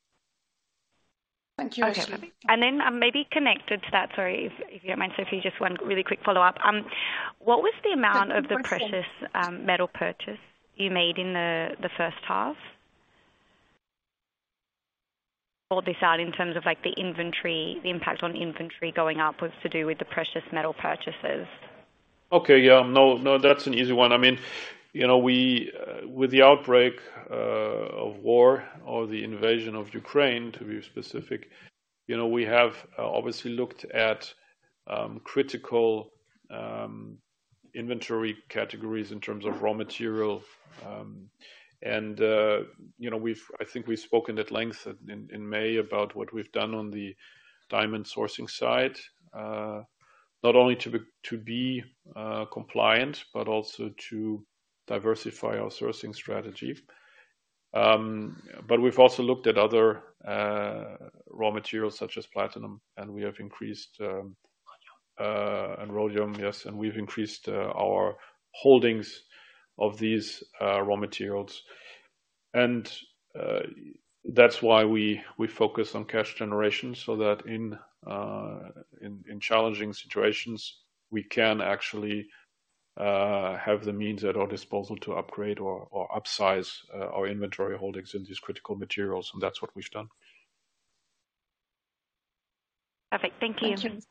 Okay, thank you. Thank you, Ashley. Maybe connected to that. Sorry if you don't mind, Sophie, just one really quick follow-up. What was the amount of the precious metal purchase you made in the first half? Call this out in terms of, like, the inventory, the impact on inventory going up was to do with the precious metal purchases. Okay. Yeah. No, no, that's an easy one. I mean, you know, we, with the outbreak of war or the invasion of Ukraine, to be specific, you know, we have obviously looked at critical inventory categories in terms of raw material. You know, we've spoken at length in May about what we've done on the diamond sourcing side. Not only to be compliant, but also to diversify our sourcing strategy. We've also looked at other raw materials such as platinum and rhodium, yes, and we've increased our holdings of these raw materials. That's why we focus on cash generation, so that in challenging situations, we can actually have the means at our disposal to upgrade or upsize our inventory holdings in these critical materials, and that's what we've done. Perfect. Thank you. Thank you.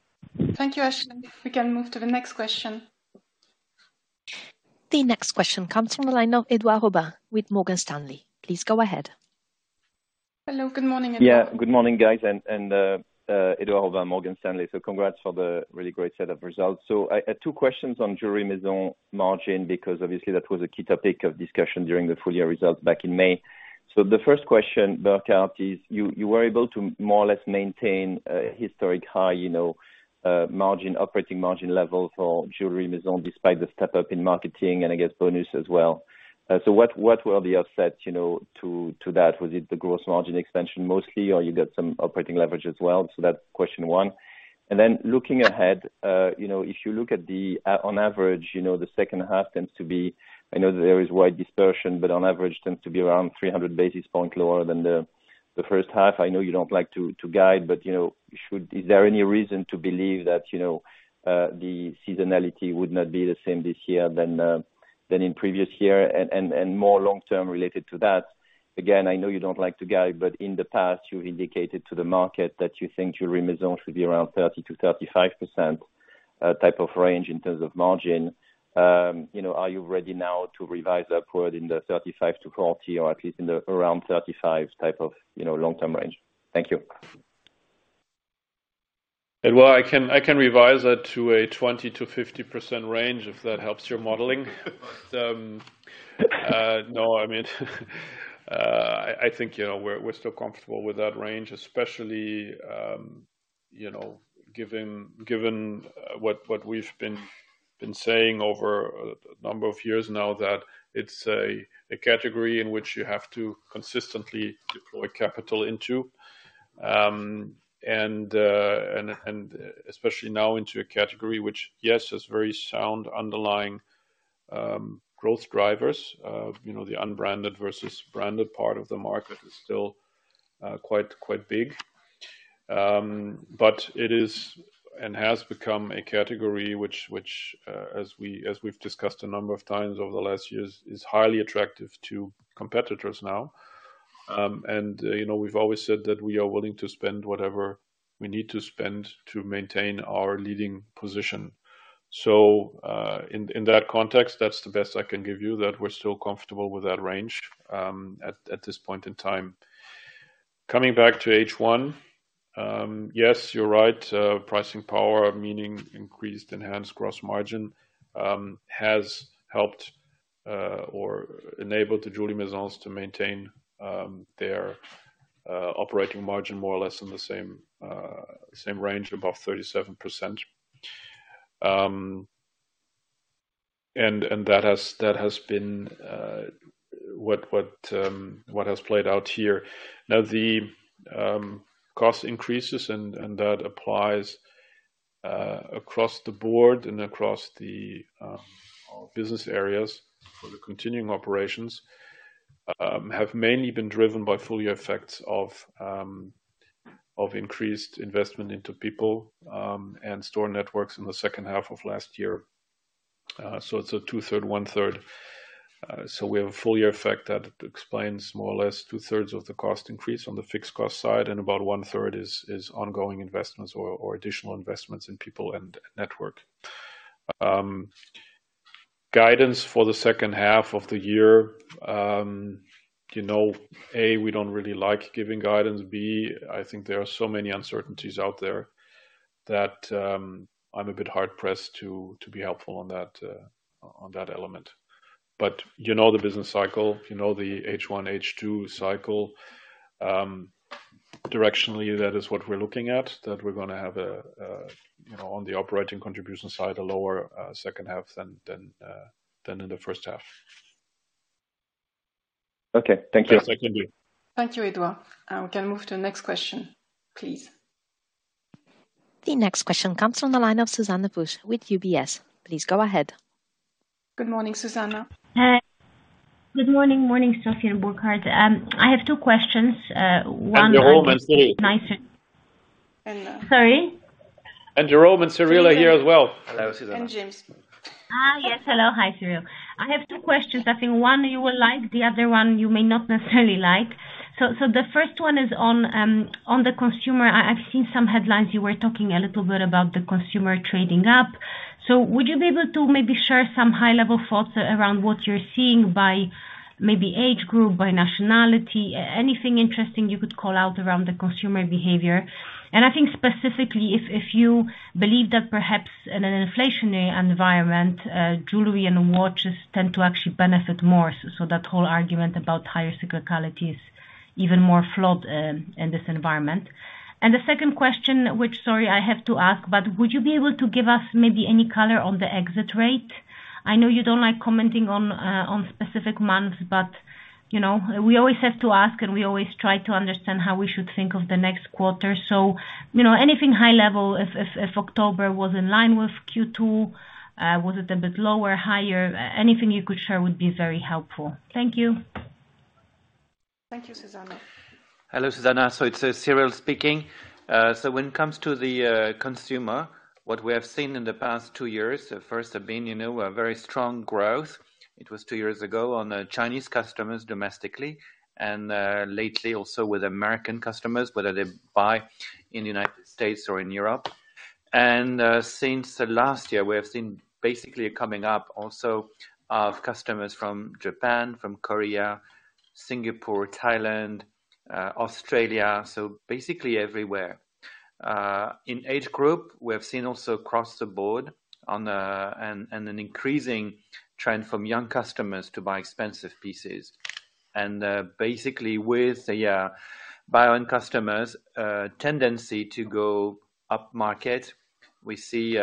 Thank you, Ashley. We can move to the next question. The next question comes from the line of Edouard Aubin with Morgan Stanley. Please go ahead. Hello. Good morning, Edouard. Yeah. Good morning, guys. Edouard Aubin, Morgan Stanley. Congrats for the really great set of results. I have two questions on jewelry Maisons margin, because obviously that was a key topic of discussion during the full year results back in May. The first question, Burkhart, is you were able to more or less maintain a historic high, you know, margin, operating margin levels for jewelry Maisons despite the step-up in marketing and I guess bonus as well. What were the offsets, you know, to that? Was it the gross margin expansion mostly, or you got some operating leverage as well? That's question one. Looking ahead, you know, if you look at, on average, you know, the second half tends to be, I know there is wide dispersion, but on average tends to be around 300 basis points lower than the first half. I know you don't like to guide, but, you know, is there any reason to believe that, you know, the seasonality would not be the same this year than in previous year? More long-term related to that, again, I know you don't like to guide, but in the past you indicated to the market that you think jewelry Maisons should be around 30%-35%. Type of range in terms of margin, you know, are you ready now to revise upward in the 35%-40%, or at least in the around 35% type of, you know, long-term range? Thank you. Well, I can revise that to a 20%-50% range if that helps your modeling. No, I mean, I think, you know, we're still comfortable with that range, especially, you know, given what we've been saying over a number of years now that it's a category in which you have to consistently deploy capital into. Especially now into a category which, yes, has very sound underlying growth drivers. You know, the unbranded versus branded part of the market is still quite big. It is, and has become a category which, as we've discussed a number of times over the last years, is highly attractive to competitors now. You know, we've always said that we are willing to spend whatever we need to spend to maintain our leading position. In that context, that's the best I can give you, that we're still comfortable with that range at this point in time. Coming back to H1, yes, you're right, pricing power, meaning increased enhanced gross margin, has helped or enabled the jewelry Maisons to maintain their operating margin more or less in the same range, above 37%. That has been what has played out here. Now, the cost increases, and that applies across the board and across the business areas for the continuing operations have mainly been driven by full-year effects of increased investment into people and store networks in the second half of last year. So it's a two-thirds, one-third. So we have a full-year effect that explains more or less two-thirds of the cost increase on the fixed cost side, and about one-third is ongoing investments or additional investments in people and network. Guidance for the second half of the year. You know, A, we don't really like giving guidance. B, I think there are so many uncertainties out there that I'm a bit hard pressed to be helpful on that element. You know the business cycle, you know the H1, H2 cycle. Directionally, that is what we're looking at, that we're gonna have a, you know, on the operating contribution side, a lower second half than in the first half. Okay. Thank you. Yes, thank you. Thank you, Edouard. We can move to the next question, please. The next question comes from the line of Zuzanna Pusz with UBS. Please go ahead. Good morning, Zuzanna. Hey. Good morning, Sophie and Burkhart. I have two questions. Jérôme and Cyrille. Sorry? Jérôme and Cyrille are here as well. Hello, Zuzanna. James. Yes, hello. Hi, Cyrille. I have two questions. I think one you will like, the other one you may not necessarily like. The first one is on the consumer. I've seen some headlines, you were talking a little bit about the consumer trading up. Would you be able to maybe share some high-level thoughts around what you're seeing by maybe age group, by nationality, anything interesting you could call out around the consumer behavior? I think specifically if you believe that perhaps in an inflationary environment, jewelry and watches tend to actually benefit more, so that whole argument about higher cyclicality is even more flawed in this environment. The second question, which sorry, I have to ask, but would you be able to give us maybe any color on the exit rate? I know you don't like commenting on specific months, but, you know, we always have to ask, and we always try to understand how we should think of the next quarter. You know, anything high level, if October was in line with Q2, was it a bit lower, higher? Anything you could share would be very helpful. Thank you. Thank you, Zuzanna. Hello, Zuzanna. It's Cyrille speaking. When it comes to the consumer, what we have seen in the past two years, first have been, you know, a very strong growth. It was two years ago on Chinese customers domestically and lately also with American customers, whether they buy in the United States or in Europe. Since the last year, we have seen basically a coming up also of customers from Japan, from Korea, Singapore, Thailand, Australia, so basically everywhere. In age group, we have seen also across the board and an increasing trend from young customers to buy expensive pieces. Basically with the buying customers tendency to go upmarket, we see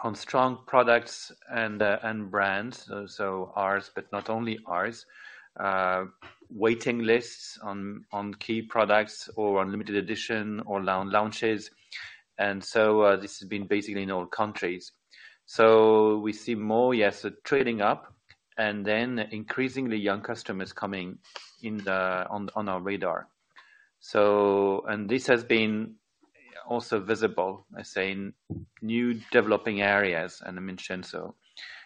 on strong products and brands, so ours, but not only ours, waiting lists on key products or on limited edition or launches. This has been basically in all countries. We see more, yes, trading up and then increasingly young customers coming in on our radar. This has been also visible, I say, in new developing areas, and I mentioned so.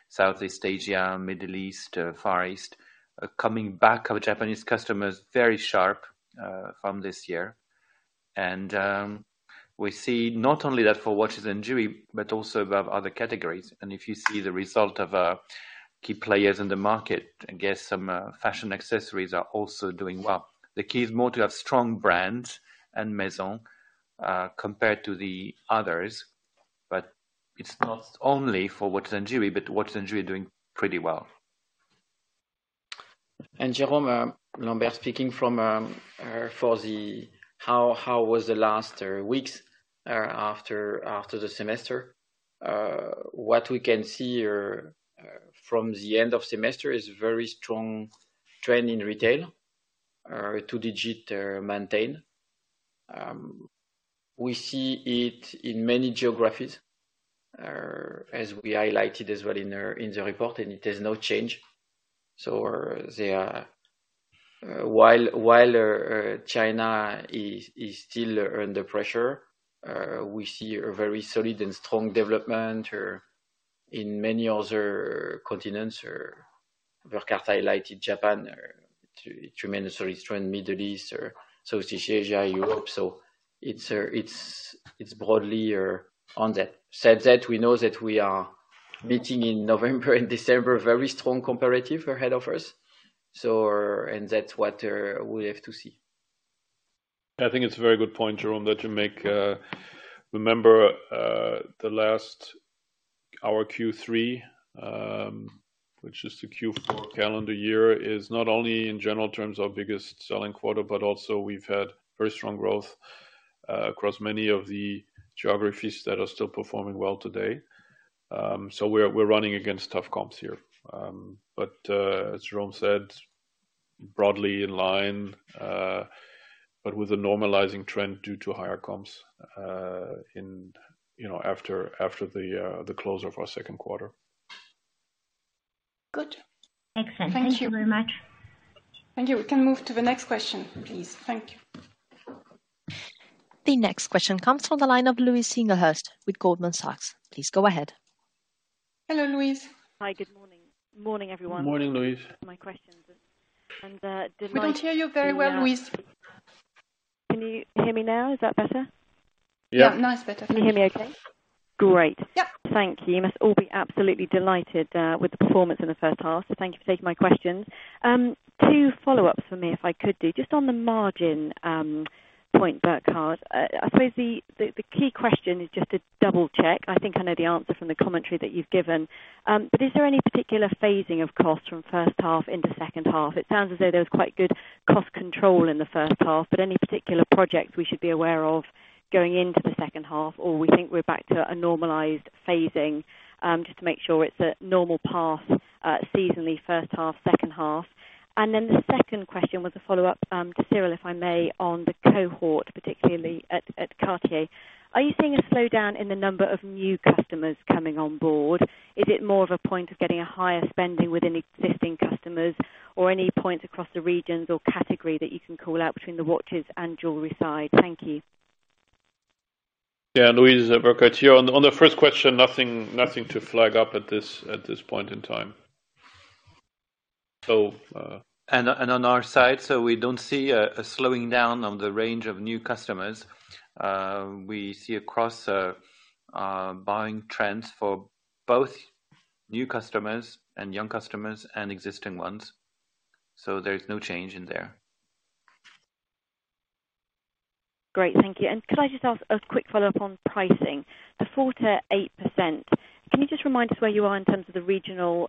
Southeast Asia, Middle East, Far East. Coming back of Japanese customers, very sharp, from this year. We see not only that for watches and jewelry, but also across other categories. If you see the result of key players in the market, I guess some fashion accessories are also doing well. The key is more to have strong brands and Maisons compared to the others. It's not only for watches and jewelry, but watches and jewelry are doing pretty well. Jérôme Lambert speaking for the half. How was the last weeks after the half. What we can see here from the end of September is very strong trend in retail, two-digit maintained. We see it in many geographies, as we highlighted as well in the report, and it is no change. While China is still under pressure, we see a very solid and strong development in many other continents. Burkhart highlighted Japan, tremendous strong trend, Middle East or Southeast Asia, Europe. It's broadly on that. That said we know that we are meeting in November and December, very strong comparative ahead of us. And that's what we have to see. I think it's a very good point, Jérôme, that you make. Remember, our Q3, which is the Q4 calendar year, is not only in general terms our biggest selling quarter, but also we've had very strong growth across many of the geographies that are still performing well today. We're running against tough comps here. As Jérôme said, broadly in line, but with a normalizing trend due to higher comps, you know, after the close of our second quarter. Good. Excellent. Thank you very much. Thank you. We can move to the next question, please. Thank you. The next question comes from the line of Louise Singlehurst with Goldman Sachs. Please go ahead. Hello, Louise. Hi. Good morning. Morning, everyone. Morning, Louise. My question is, did my- We can't hear you very well, Louise. Can you hear me now? Is that better? Yeah. Yeah. Now it's better. Can you hear me okay? Great. Yeah. Thank you. You must all be absolutely delighted with the performance in the first half, so thank you for taking my questions. Two follow-ups for me, if I could do. Just on the margin point, Burkhart, I suppose the key question is just to double-check. I think I know the answer from the commentary that you've given, but is there any particular phasing of costs from first half into second half? It sounds as though there was quite good cost control in the first half, but any particular projects we should be aware of going into the second half? Or we think we're back to a normalized phasing, just to make sure it's a normal path seasonally, first half, second half. The second question was a follow-up to Cyrille, if I may, on the cohort, particularly at Cartier. Are you seeing a slowdown in the number of new customers coming on board? Is it more of a point of getting a higher spending within existing customers? Or any points across the regions or category that you can call out between the watches and jewelry side? Thank you. Yeah. Louise, Burkhart here. On the first question, nothing to flag up at this point in time. On our side, so we don't see a slowing down on the range of new customers. We see across buying trends for both new customers and young customers and existing ones, so there is no change in there. Great. Thank you. Could I just ask a quick follow-up on pricing? The 4%-8%, can you just remind us where you are in terms of the regional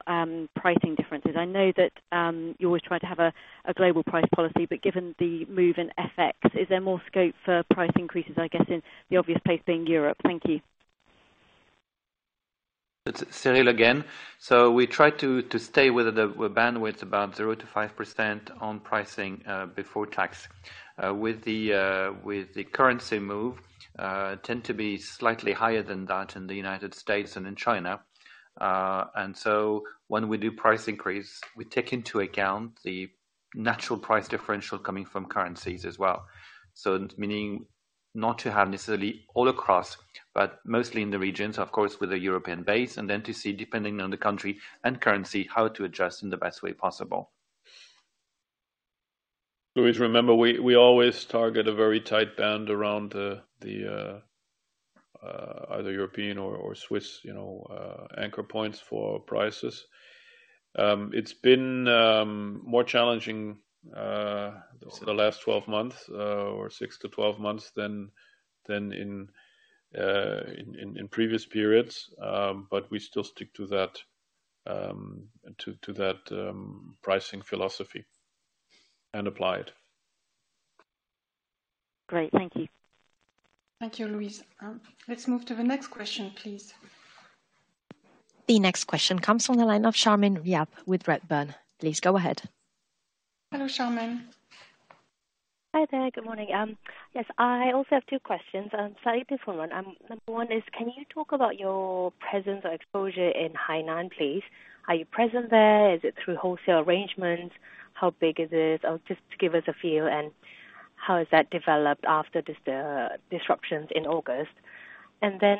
pricing differences? I know that you always try to have a global price policy, but given the move in FX, is there more scope for price increases, I guess, in the obvious place being Europe? Thank you. It's Cyrille again. We try to stay within the bandwidth about 0%-5% on pricing, before tax, with the currency move tending to be slightly higher than that in the United States and in China. When we do price increase, we take into account the natural price differential coming from currencies as well. Meaning not to have necessarily all across, but mostly in the regions, of course, with a European base, and then to see, depending on the country and currency, how to adjust in the best way possible. Louise, remember we always target a very tight band around the either European or Swiss, you know, anchor points for prices. It's been more challenging. Recently... the last 12 months, or six to 12 months than in previous periods, but we still stick to that pricing philosophy and apply it. Great. Thank you. Thank you, Louise. Let's move to the next question, please. The next question comes from the line of Charmaine Yap with Redburn. Please go ahead. Hello, Charmaine. Hi there. Good morning. Yes, I also have two questions, slightly different one. Number one is, can you talk about your presence or exposure in Hainan, please? Are you present there? Is it through wholesale arrangements? How big is it? Or just give us a feel and how has that developed after this, the disruptions in August. And then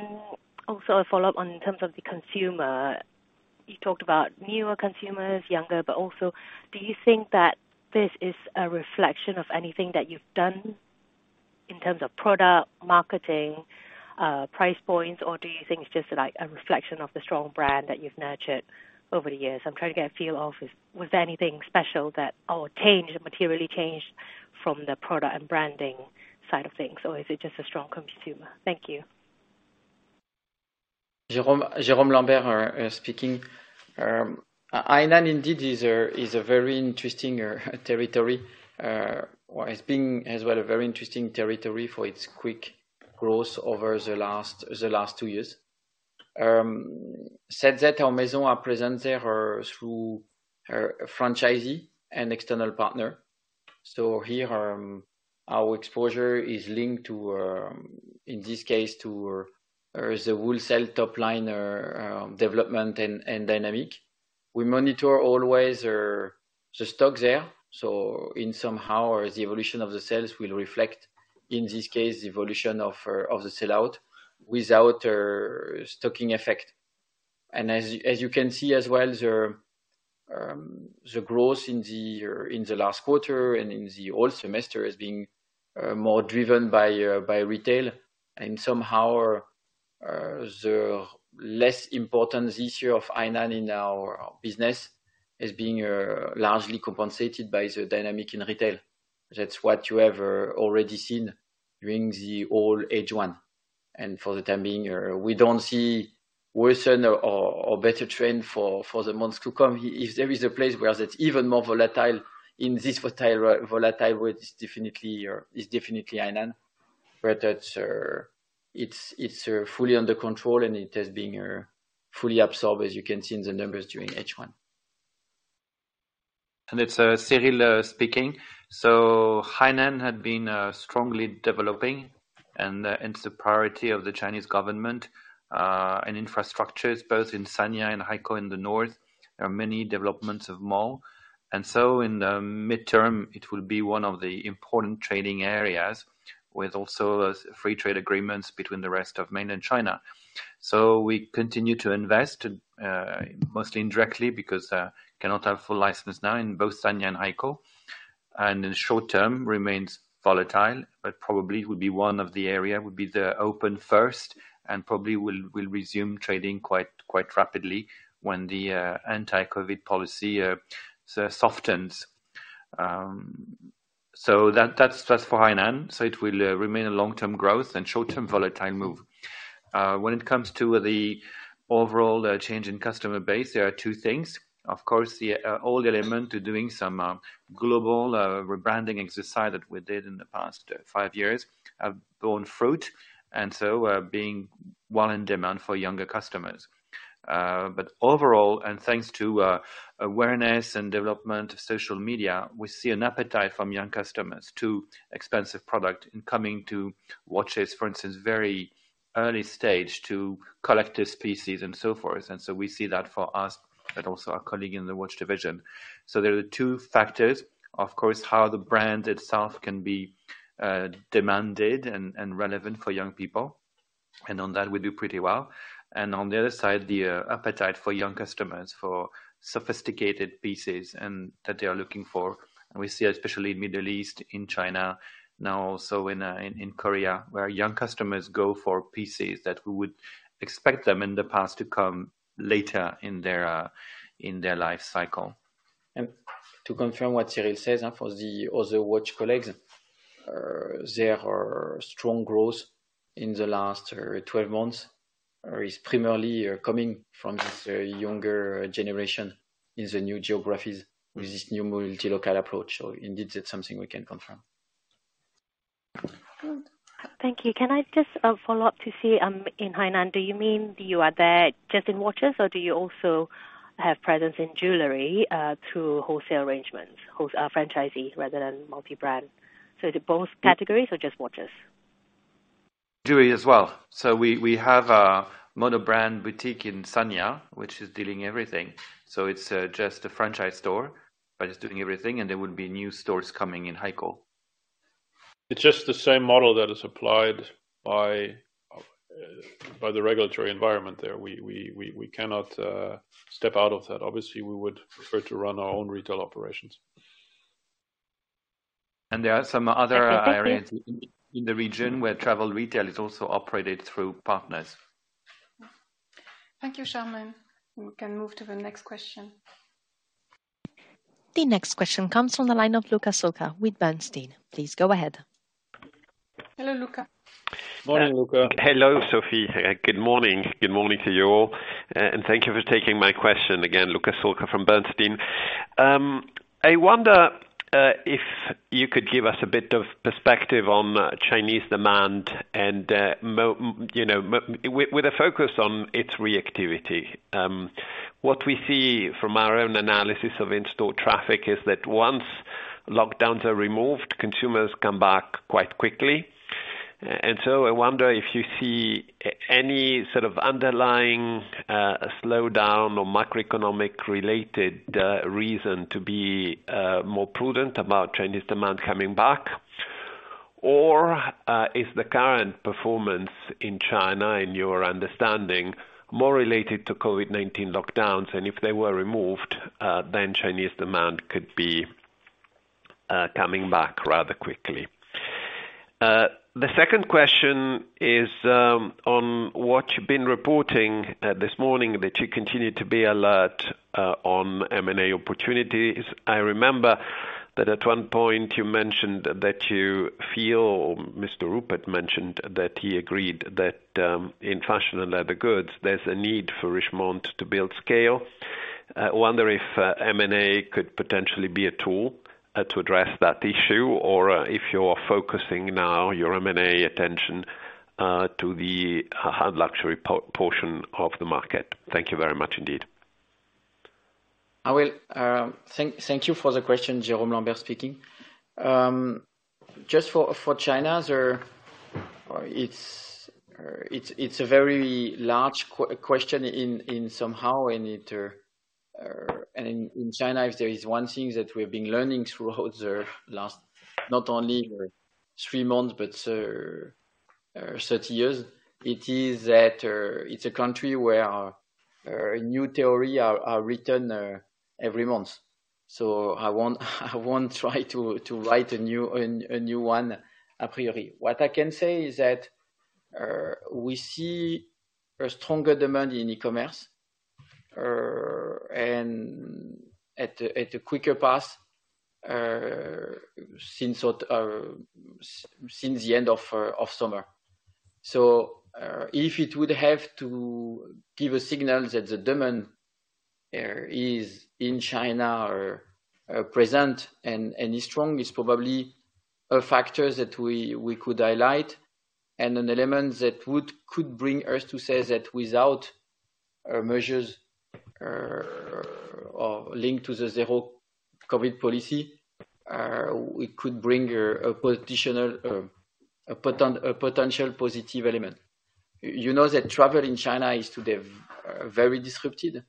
also a follow-up on in terms of the consumer. You talked about newer consumers, younger, but also do you think that this is a reflection of anything that you've done in terms of product, marketing, price points, or do you think it's just like a reflection of the strong brand that you've nurtured over the years? I'm trying to get a feel of if, was there anything special that or changed, materially changed from the product and branding side of things, or is it just a strong consumer? Thank you. Jérôme Lambert speaking. Hainan indeed is a very interesting territory, or has been as well a very interesting territory for its quick growth over the last two years. Having said that, our Maisons are present there through our franchisee and external partner. Here, our exposure is linked to, in this case, the wholesale top line development and dynamic. We always monitor the stock there, so somehow the evolution of the sales will reflect, in this case, the evolution of the sell-out without stocking effect. As you can see as well, the growth in the last quarter and in the whole semester as being more driven by retail and somehow the less important this year of Hainan in our business is being largely compensated by the dynamic in retail. That's what you have already seen during the whole H1. For the time being, we don't see worsen or better trend for the months to come. If there is a place where it's even more volatile in this volatile world, it's definitely Hainan. But it's fully under control, and it has been fully absorbed, as you can see in the numbers during H1. It's Cyrille speaking. Hainan had been strongly developing and it's a priority of the Chinese government, and infrastructure both in Sanya and Haikou in the north. There are many developments of mall. In the midterm, it will be one of the important trading areas with also free trade agreements between the rest of mainland China. We continue to invest mostly indirectly because cannot have full license now in both Sanya and Haikou, and in the short term remains volatile, but probably would be one of the area to open first and probably will resume trading quite rapidly when the anti-COVID policy softens. That's just for Hainan. It will remain a long-term growth and short-term volatile move. When it comes to the overall change in customer base, there are two things. Of course, the old element to doing some global rebranding exercise that we did in the past five years have borne fruit, and so being well in demand for younger customers. Overall, and thanks to awareness and development of social media, we see an appetite from young customers to expensive products including watches, for instance, very early age to complications and so forth. We see that for us, but also our colleagues in the watch division. There are two factors, of course, how the brand itself can be demanded and relevant for young people. On that we do pretty well. On the other side, the appetite for young customers for sophisticated pieces and that they are looking for. We see, especially Middle East, in China now also in Korea, where young customers go for pieces that we would expect them in the past to come later in their life cycle. To confirm what Cyrille says, for the other watch colleagues, there are strong growth in the last 12 months is primarily coming from this younger generation in the new geographies with this new multi-local approach. Indeed, it's something we can confirm. Thank you. Can I just follow up to see, in Hainan, do you mean you are there just in watches or do you also have presence in jewelry, through wholesale arrangements, franchisees rather than multi-brand? The both categories or just watches? Jewelry as well. We have a mono-brand boutique in Sanya, which is dealing everything. It's just a franchise store, but it's doing everything, and there will be new stores coming in Haikou. It's just the same model that is applied by the regulatory environment there. We cannot step out of that. Obviously, we would prefer to run our own retail operations. There are some other areas in the region where travel retail is also operated through partners. Thank you, Charmaine. We can move to the next question. The next question comes from the line of Luca Solca with Bernstein. Please go ahead. Hello, Luca. Morning, Luca. Hello, Sophie. Good morning. Good morning to you all, and thank you for taking my question again. Luca Solca from Bernstein. I wonder if you could give us a bit of perspective on Chinese demand and more with a focus on its reactivity. What we see from our own analysis of in-store traffic is that once lockdowns are removed, consumers come back quite quickly. I wonder if you see any sort of underlying slowdown or macroeconomic related reason to be more prudent about Chinese demand coming back. Is the current performance in China, in your understanding, more related to COVID-19 lockdowns, and if they were removed, then Chinese demand could be coming back rather quickly? The second question is, on what you've been reporting, this morning, that you continue to be alert, on M&A opportunities. I remember that at one point you mentioned that you feel, or Johann Rupert mentioned that he agreed that, in fashion and leather goods, there's a need for Richemont to build scale. I wonder if, M&A could potentially be a tool, to address that issue or if you're focusing now your M&A attention, to the high luxury portion of the market. Thank you very much indeed. I will thank you for the question, Jérôme Lambert speaking. Just for China, sir, it's a very large question in some way. In China, if there is one thing that we've been learning throughout the last, not only three months but thirty years, it is that it's a country where new theories are written every month. So I won't try to write a new one a priori. What I can say is that we see a stronger demand in e-commerce and at a quicker pace since the end of summer. If it would have to give a signal that the demand is in China or present and is strong, it's probably a factor that we could highlight and an element that could bring us to say that without measures linked to the zero-COVID policy, we could bring a potential positive element. You know that travel in China is today very disrupted.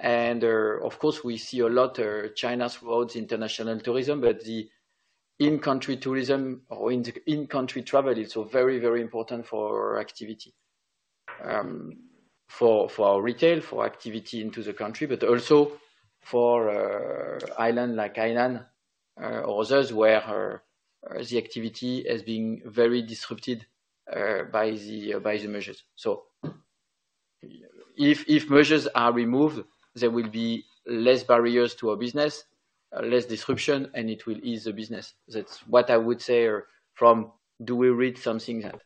Of course, we see a lot China's roads, international tourism, but the in-country tourism or in-country travel is so very important for activity, for retail, for activity into the country, but also for island like Hainan or others where the activity is being very disrupted by the measures. If measures are removed, there will be less barriers to our business, less disruption, and it will ease the business. That's what I would say. Do we read something else.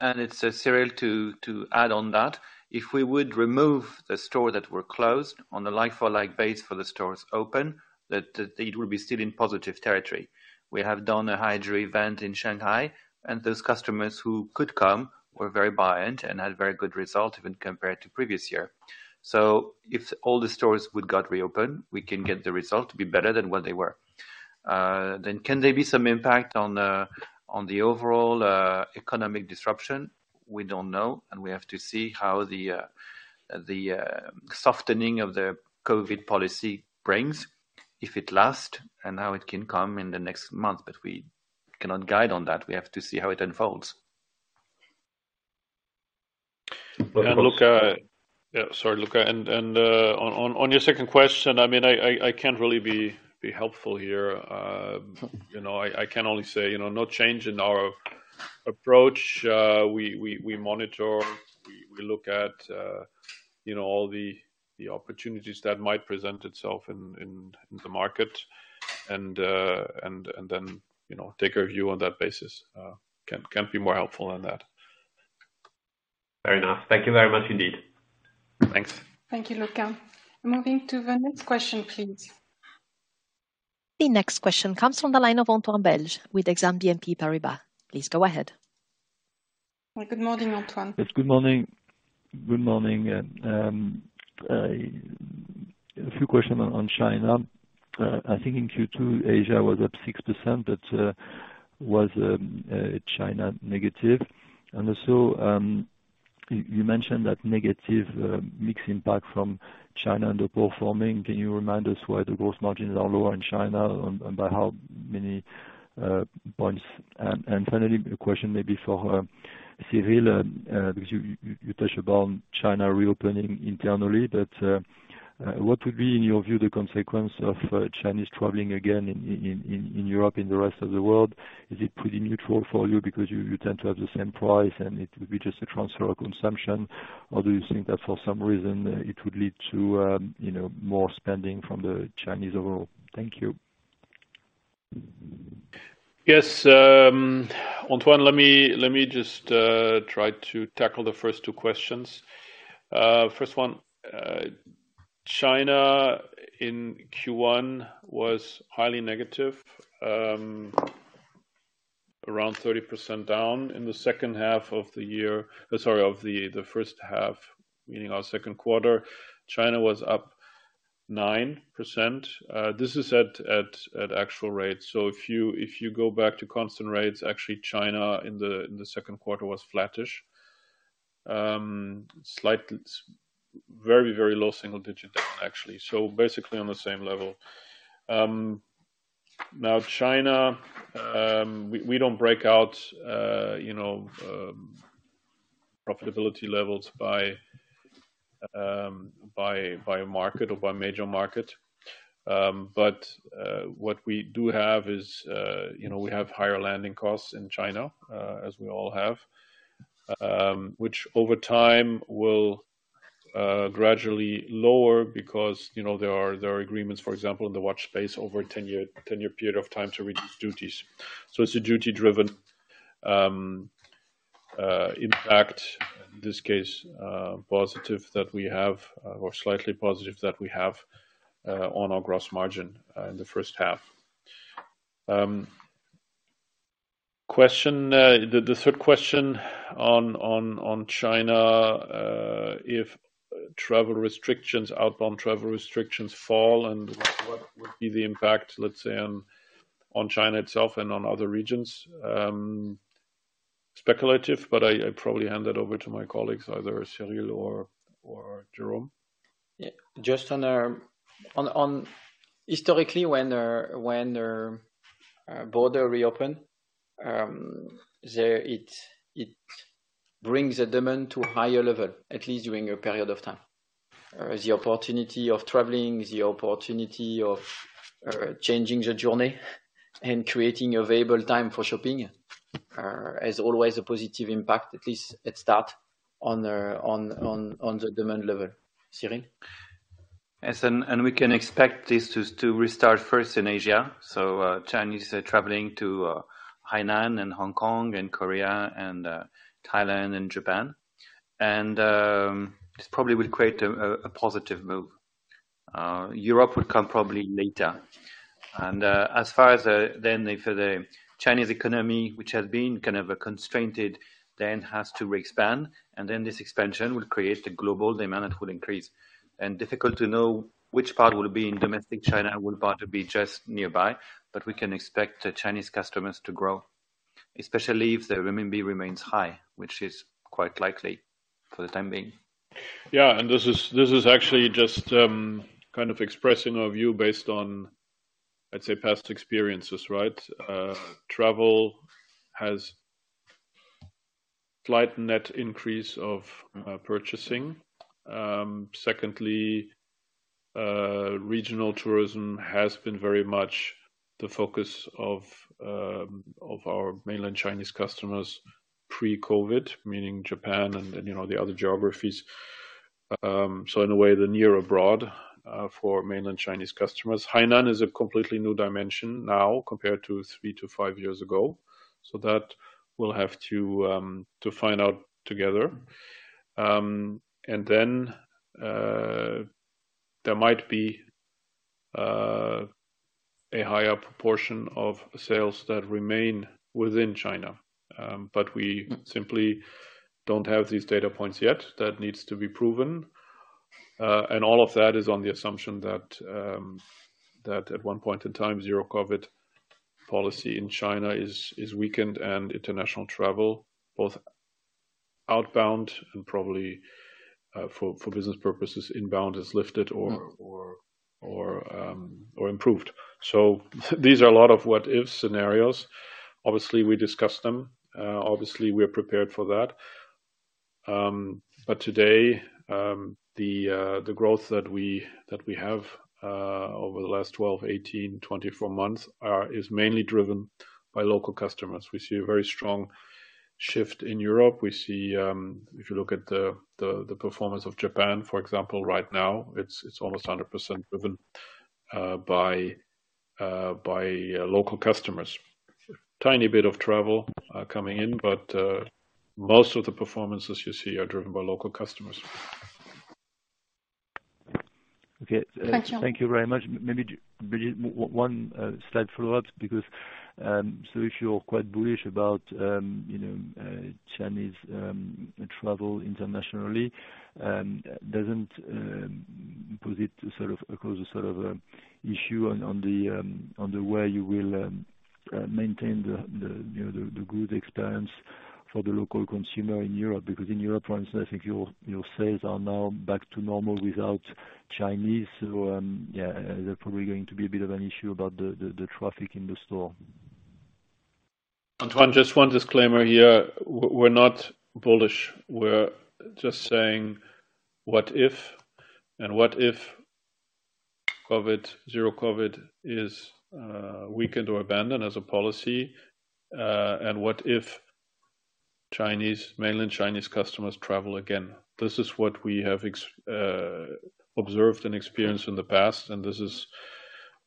It's Cyrille to add on that. If we would remove the stores that were closed on a like-for-like basis for the stores open, that it will be still in positive territory. We have done a high jewelry event in Shanghai, and those customers who could come were very buoyant and had very good result even compared to previous year. If all the stores would got reopen, we can get the result to be better than what they were. Then can there be some impact on the overall economic disruption? We don't know. We have to see how the softening of the COVID policy brings, if it lasts and how it can come in the next month. We cannot guide on that. We have to see how it unfolds. Luca- Luca. Yeah, sorry, Luca. On your second question, I mean, I can't really be helpful here. You know, I can only say, you know, no change in our approach. We monitor, we look at, you know, all the opportunities that might present itself in the market and then, you know, take our view on that basis. Can't be more helpful than that. Fair enough. Thank you very much indeed. Thanks. Thank you, Luca. Moving to the next question, please. The next question comes from the line of Antoine Belge with Exane BNP Paribas. Please go ahead. Good morning, Antoine. Yes, good morning. Good morning. A few questions on China. I think in Q2, Asia was up 6%, but was China negative. Also, you mentioned that negative mix impact from China underperforming. Can you remind us why the growth margins are lower in China and by how many points? Finally, a question maybe for Cyrille, because you touched upon China reopening internally, but what would be, in your view, the consequence of Chinese traveling again in Europe and the rest of the world? Is it pretty neutral for you because you tend to have the same price and it would be just a transfer of consumption? Do you think that for some reason it would lead to, you know, more spending from the Chinese overall? Thank you. Yes. Antoine, let me just try to tackle the first two questions. First one, China in Q1 was highly negative, around 30% down. In the first half, meaning our second quarter, China was up 9%. This is at actual rates. So if you go back to constant rates, actually China in the second quarter was flattish. Very, very low single digit actually. Basically on the same level. Now China, we don't break out, you know, profitability levels by market or by major market. What we do have is, you know, we have higher landing costs in China, as we all have. Which over time will gradually lower because, you know, there are agreements, for example, in the watch space over a 10-year period of time to reduce duties. It's a duty-driven impact in this case, positive that we have or slightly positive that we have, on our gross margin, in the first half. The third question on China, if travel restrictions, outbound travel restrictions fall and what would be the impact, let's say, on China itself and on other regions, speculative, but I probably hand that over to my colleagues, either Cyrille or Jérôme. Yeah. Just on our historically, when our borders reopen, it brings the demand to a higher level, at least during a period of time. The opportunity of traveling, changing the journey and creating available time for shopping has always a positive impact, at least at start on the demand level. Cyrille? Yes. We can expect this to restart first in Asia. Chinese are traveling to Hainan and Hong Kong and Korea and Thailand and Japan. This probably will create a positive move. Europe will come probably later. As far as then if the Chinese economy, which has been kind of a constrained, then has to re-expand, and then this expansion will create a global demand and it will increase. Difficult to know which part will be in domestic China, will part be just nearby. We can expect the Chinese customers to grow, especially if the renminbi remains high, which is quite likely for the time being. Yeah. This is actually just kind of expressing our view based on, let's say, past experiences, right? Travel has slight net increase of purchasing. Secondly, regional tourism has been very much the focus of our mainland Chinese customers pre-COVID, meaning Japan and you know, the other geographies. In a way, the near abroad for mainland Chinese customers. Hainan is a completely new dimension now compared to three to five years ago. That we'll have to find out together. There might be a higher proportion of sales that remain within China. We simply don't have these data points yet. That needs to be proven. All of that is on the assumption that at one point in time, zero-COVID policy in China is weakened and international travel, both outbound and probably for business purposes, inbound is lifted or improved. These are a lot of what-if scenarios. Obviously, we discuss them. Obviously, we are prepared for that. Today, the growth that we have over the last 12, 18, 24 months is mainly driven by local customers. We see a very strong shift in Europe. We see if you look at the performance of Japan, for example, right now, it's almost 100% driven by local customers. Tiny bit of travel coming in, but most of the performances you see are driven by local customers. Okay. Antoine. Thank you very much. Maybe one slight follow-up because so if you're quite bullish about you know Chinese travel internationally doesn't cause it to sort of cause a sort of issue on the way you will maintain the good experience for the local consumer in Europe. Because in Europe for instance I think your sales are now back to normal without Chinese. Yeah they're probably going to be a bit of an issue about the traffic in the store. Antoine, just one disclaimer here. We're not bullish. We're just saying what if, and what if COVID, zero COVID is weakened or abandoned as a policy, and what if Chinese, mainland Chinese customers travel again? This is what we have observed and experienced in the past, and this is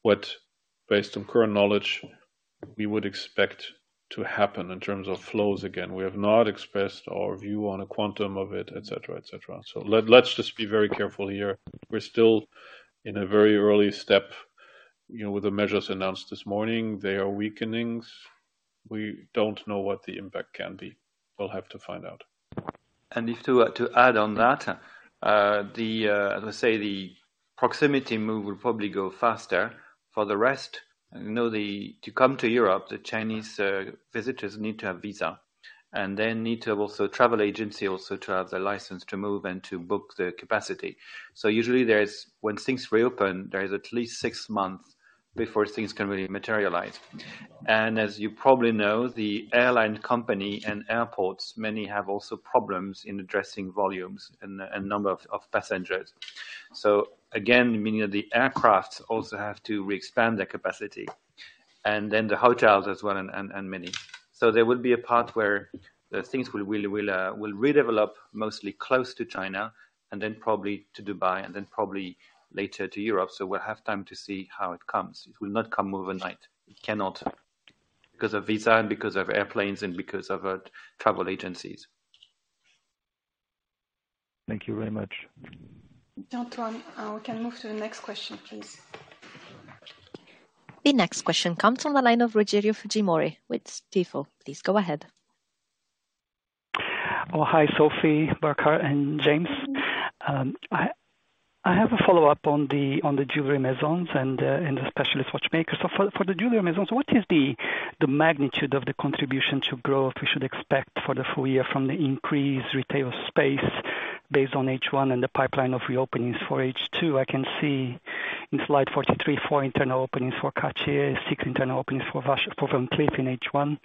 what, based on current knowledge, we would expect to happen in terms of flows again. We have not expressed our view on a quantum of it, et cetera, et cetera. Let's just be very careful here. We're still in a very early step, you know, with the measures announced this morning. They are weakenings. We don't know what the impact can be. We'll have to find out. if to add on that, let's say the Proximity move will probably go faster. For the rest, you know, to come to Europe, the Chinese visitors need to have visa, and they need to have also travel agency to have the license to move and to book the capacity. Usually when things reopen, there is at least six months before things can really materialize. As you probably know, the airline company and airports, many have also problems in addressing volumes and number of passengers. Again, many of the aircraft also have to re-expand their capacity, and then the hotels as well and many. There will be a part where the things will redevelop mostly close to China and then probably to Dubai and then probably later to Europe. We'll have time to see how it comes. It will not come overnight. It cannot because of visa, because of airplanes, and because of travel agencies. Thank you very much. Antoine, we can move to the next question, please. The next question comes from the line of Rogerio Fujimori with Stifel. Please go ahead. Oh, hi, Sophie, Burkhart, and James. I have a follow-up on the jewelry Maisons and the specialist watchmakers. For the jewelry Maisons, what is the magnitude of the contribution to growth we should expect for the full year from the increased retail space based on H1 and the pipeline of reopenings for H2? I can see in slide 43, four internal ,for Cartier, six, Internal openings for Van Cleef in H1.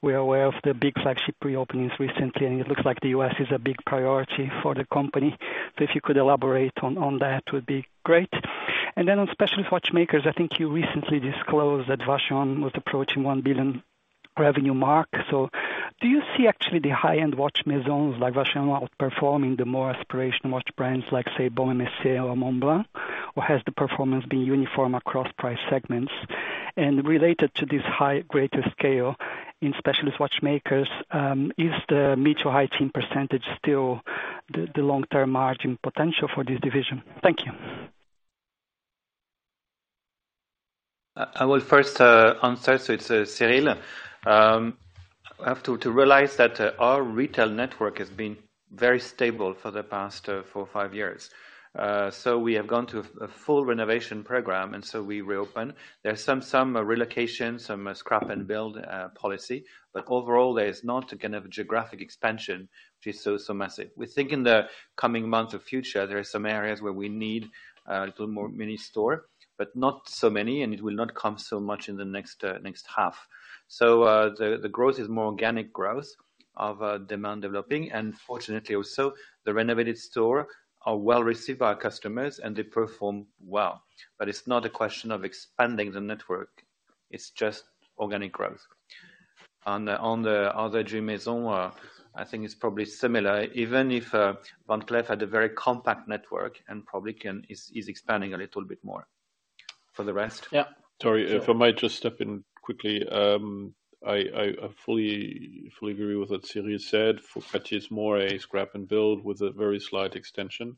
We are aware of the big flagship reopenings recently, and it looks like the U.S. is a big priority for the company. If you could elaborate on that, would be great. Then on specialist watchmakers, I think you recently disclosed that Vacheron was approaching 1 billion revenue mark. Do you see actually the high-end watch Maisons like Vacheron outperforming the more aspirational watch brands like say, Baume & Mercier or Montblanc? Or has the performance been uniform across price segments? Related to this high greater scale in specialist watchmakers, is the mid- to high-teens % still the long-term margin potential for this division? Thank you. I will first answer, so it's Cyrille. Have to realize that our retail network has been very stable for the past four, five years. We have gone through a full renovation program, and we reopen. There are some relocations, some scrap and build policy, but overall, there is not kind of a geographic expansion which is so massive. We think in the coming months of future, there are some areas where we need a little more mini store, but not so many, and it will not come so much in the next half. The growth is more organic growth of demand developing. Fortunately also, the renovated store are well received by our customers, and they perform well. It's not a question of expanding the network, it's just organic growth. On the other jewel Maisons, I think it's probably similar, even if Van Cleef had a very compact network and probably is expanding a little bit more. For the rest. Sorry, if I might just step in quickly. I fully agree with what Cyrille said. For Cartier it's more a scrap and build with a very slight extension.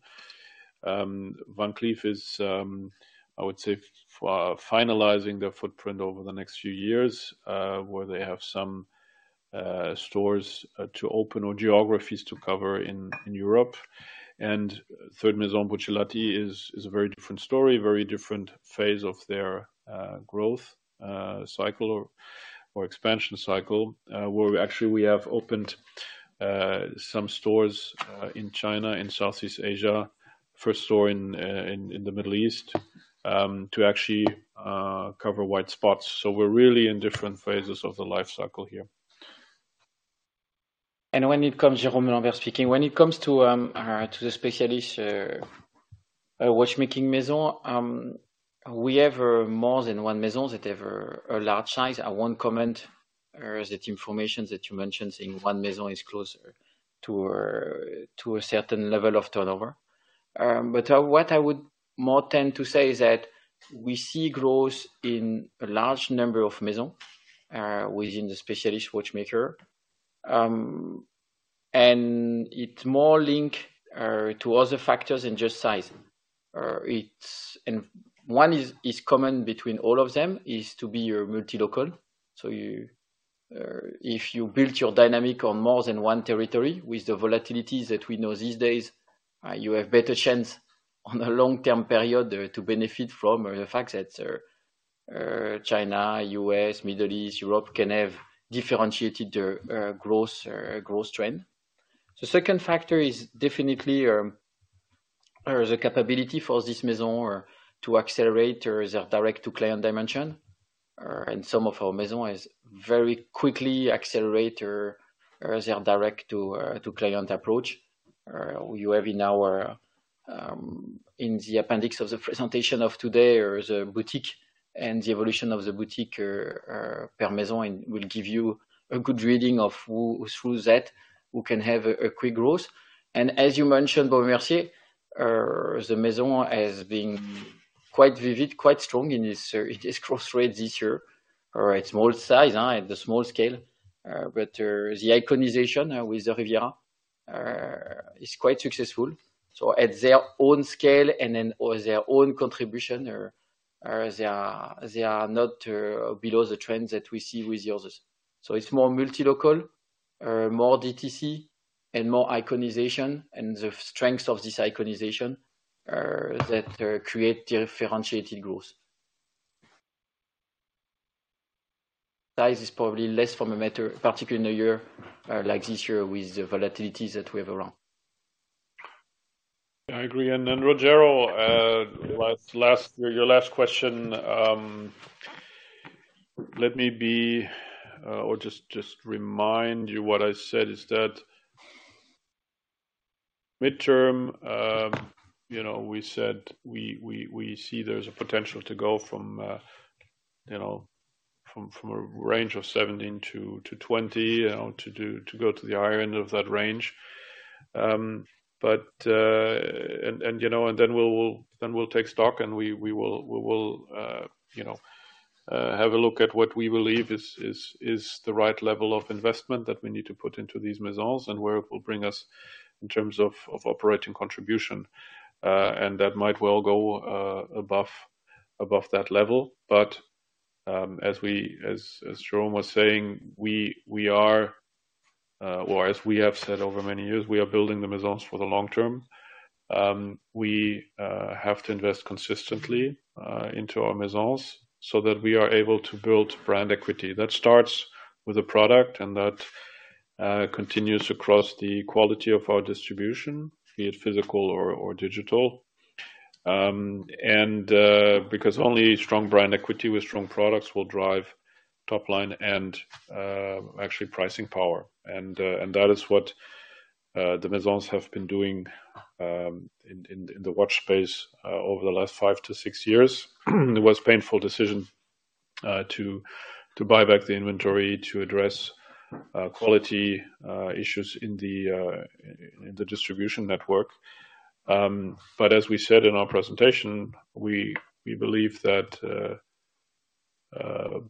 Van Cleef is, I would say, finalizing their footprint over the next few years, where they have some stores to open or geographies to cover in Europe. Third Maison, Buccellati is a very different story, very different phase of their growth cycle or expansion cycle, where we actually have opened some stores in China and Southeast Asia, first store in the Middle East, to actually cover white spots. We're really in different phases of the life cycle here. Jérôme Lambert speaking. When it comes to the specialist watchmaking Maison, we have more than one Maison that have a large size. I won't comment that information that you mentioned saying one Maison is closer to a certain level of turnover. What I would more tend to say is that we see growth in a large number of Maison within the specialist watchmaker. It more link to other factors than just size. One common between all of them is to be multilingual. If you build your dynamic on more than one territory with the volatilities that we know these days, you have better chance on a long-term period to benefit from the fact that China, U.S., Middle East, Europe can have differentiated growth trend. The second factor is definitely the capability for this Maison to accelerate their direct-to-client dimension. Some of our Maison has very quickly accelerated their direct to client approach. You have in our in the appendix of the presentation of today, the boutique and the evolution of the boutique per Maison will give you a good reading of who through that can have a quick growth. As you mentioned, Baume & Mercier, the Maison has been quite active, quite strong in its growth rates this year. All right. Small size, the small scale, but the iconization with the Riviera is quite successful. At their own scale and then their own contribution, they are not below the trend that we see with the others. It's more multilocal or more DTC and more iconization and the strength of this iconization are that create differentiated growth. Size is probably less of a matter, particularly in a year like this year with the volatilities that we have around. I agree. Rogerio, your last question, let me just remind you what I said is that midterm, you know, we said we see there's a potential to go from, you know, from a range of 17-20, you know, to go to the higher end of that range. But, and you know, and then we'll take stock and we will, you know, have a look at what we believe is the right level of investment that we need to put into these Maisons and where it will bring us in terms of operating contribution. And that might well go above that level. As Jérôme was saying, or as we have said over many years, we are building the Maisons for the long term. We have to invest consistently into our Maisons so that we are able to build brand equity. That starts with a product, and that continues across the quality of our distribution, be it physical or digital. Because only strong brand equity with strong products will drive top line and actually pricing power. And that is what the Maisons have been doing in the watch space over the last five-six years. It was painful decision to buy back the inventory to address quality issues in the distribution network. As we said in our presentation, we believe that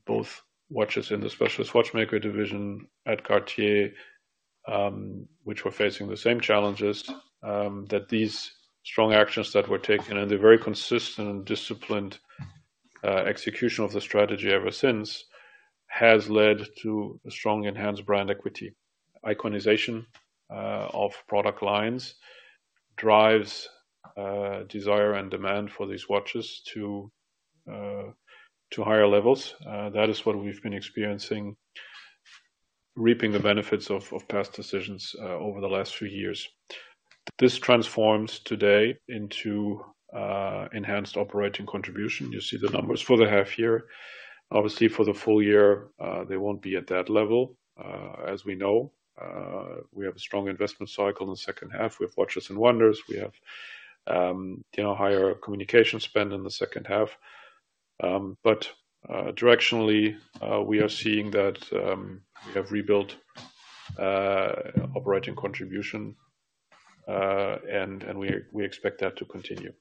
both watches in the specialist watchmaker division at Cartier, which were facing the same challenges, that these strong actions that were taken and the very consistent and disciplined execution of the strategy ever since has led to a strong enhanced brand equity. Iconization of product lines drives desire and demand for these watches to higher levels. That is what we've been experiencing, reaping the benefits of past decisions over the last few years. This transforms today into enhanced operating contribution. You see the numbers for the half year. Obviously, for the full year, they won't be at that level. As we know, we have a strong investment cycle in the second half with Watches and Wonders. We have, you know, higher communication spend in the second half. Directionally, we are seeing that we have rebuilt operating contribution, and we expect that to continue.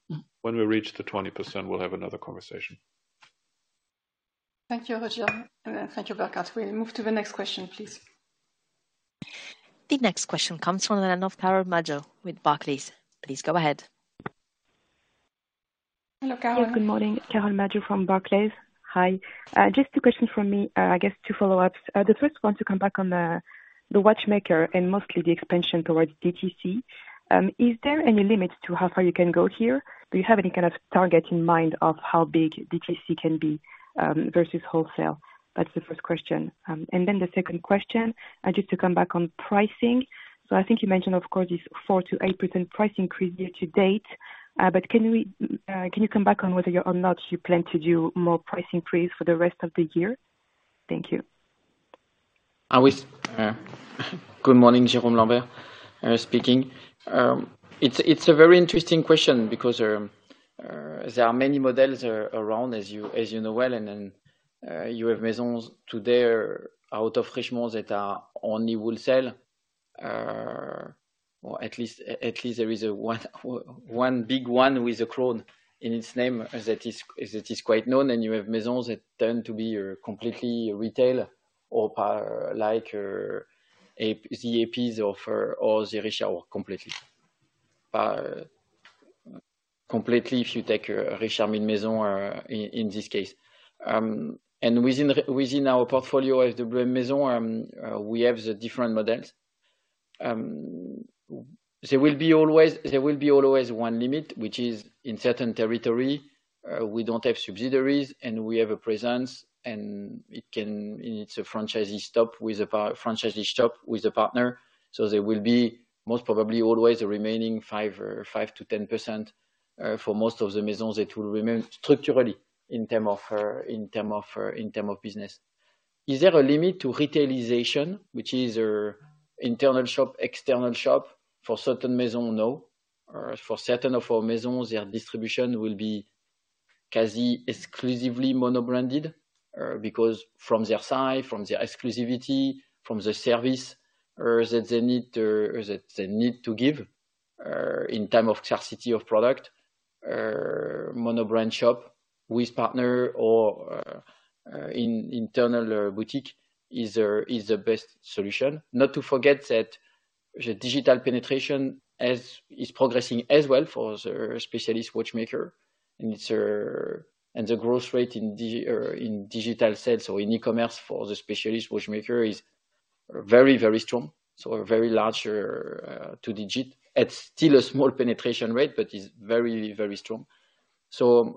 When we reach the 20%, we'll have another conversation. Thank you, Rogerio, and thank you, Burkhart. We'll move to the next question, please. The next question comes from the line of Carole Madjo with Barclays. Please go ahead. Hello, Carole. Good morning, Jérôme Lambert speaking. It's a very interesting question because there are many models around as you know well, and then you have Maisons today out of Richemont that are only wholesale. Or at least there is one big one with a crown in its name that is quite known. You have Maisons that tend to be completely retail or pure like AP, the APs, or the Richard completely. Completely if you take a Richard Mille Maison, in this case. And within our portfolio as the brand Maisons, we have the different models. There will always be one limit, which is in certain territory we don't have subsidiaries and we have a presence, and it can. It's a franchisee shop with a partner. There will be most probably always a remaining 5%-10% for most of the Maisons that will remain structurally in terms of business. Is there a limit to retailization, which is internal shop, external shop for certain Maison? No. For certain of our Maisons, their distribution will be quasi exclusively mono-branded, because from their side, from their exclusivity, from the service that they need to give in terms of scarcity of product, monobrand shop with partner or internal boutique is the best solution. Not to forget that the digital penetration is progressing as well for the specialist watchmaker, and the growth rate in digital sales or in e-commerce for the specialist watchmaker is very, very strong. A very large two-digit. It's still a small penetration rate, but it is very, very strong.